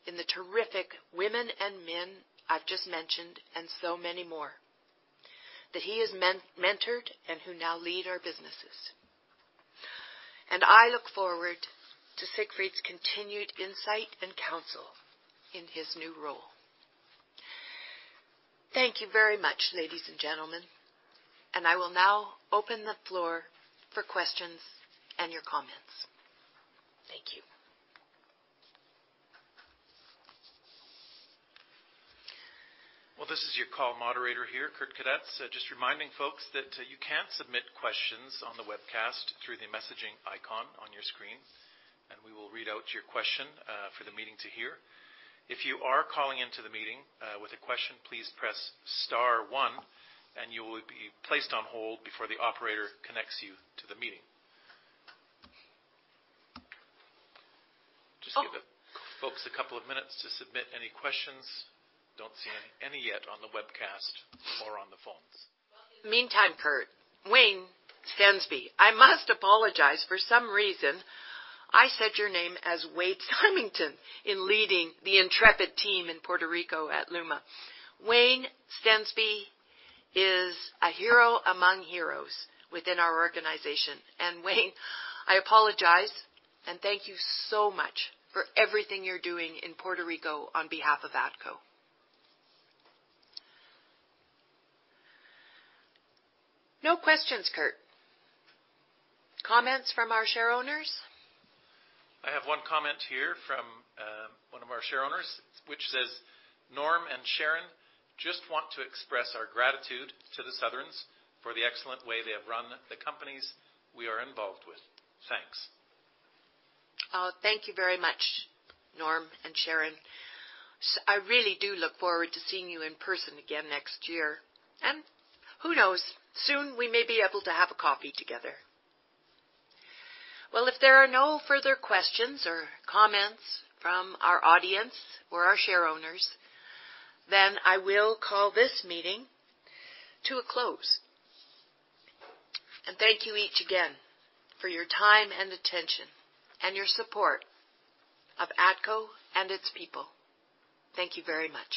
in the terrific women and men I've just mentioned, and so many more, that he has mentored and who now lead our businesses. I look forward to Siegfried's continued insight and counsel in his new role. Thank you very much, ladies and gentlemen, and I will now open the floor for questions and your comments. Thank you. Well, this is your call moderator here, Kurt Kadatz. Just reminding folks that you can submit questions on the webcast through the messaging icon on your screen, and we will read out your question for the meeting to hear. If you are calling into the meeting with a question, please press star one and you will be placed on hold before the operator connects you to the meeting. Just give folks a couple of minutes to submit any questions. Don't see any yet on the webcast or on the phones. Meantime, Kurt, Wayne Stensby. I must apologize. For some reason, I said your name as Wayne Stensby in leading the intrepid team in Puerto Rico at LUMA. Wayne Stensby is a hero among heroes within our organization. Wayne, I apologize and thank you so much for everything you're doing in Puerto Rico on behalf of ATCO. No questions, Kurt. Comments from our share owners? I have one comment here from one of our share owners, which says, "Norm and Sharon just want to express our gratitude to the Southerns for the excellent way they have run the companies we are involved with. Thanks. Oh, thank you very much, Norm and Sharon. I really do look forward to seeing you in person again next year. Who knows? Soon we may be able to have a coffee together. Well, if there are no further questions or comments from our audience or our share owners, I will call this meeting to a close. Thank you each again for your time and attention and your support of ATCO and its people. Thank you very much.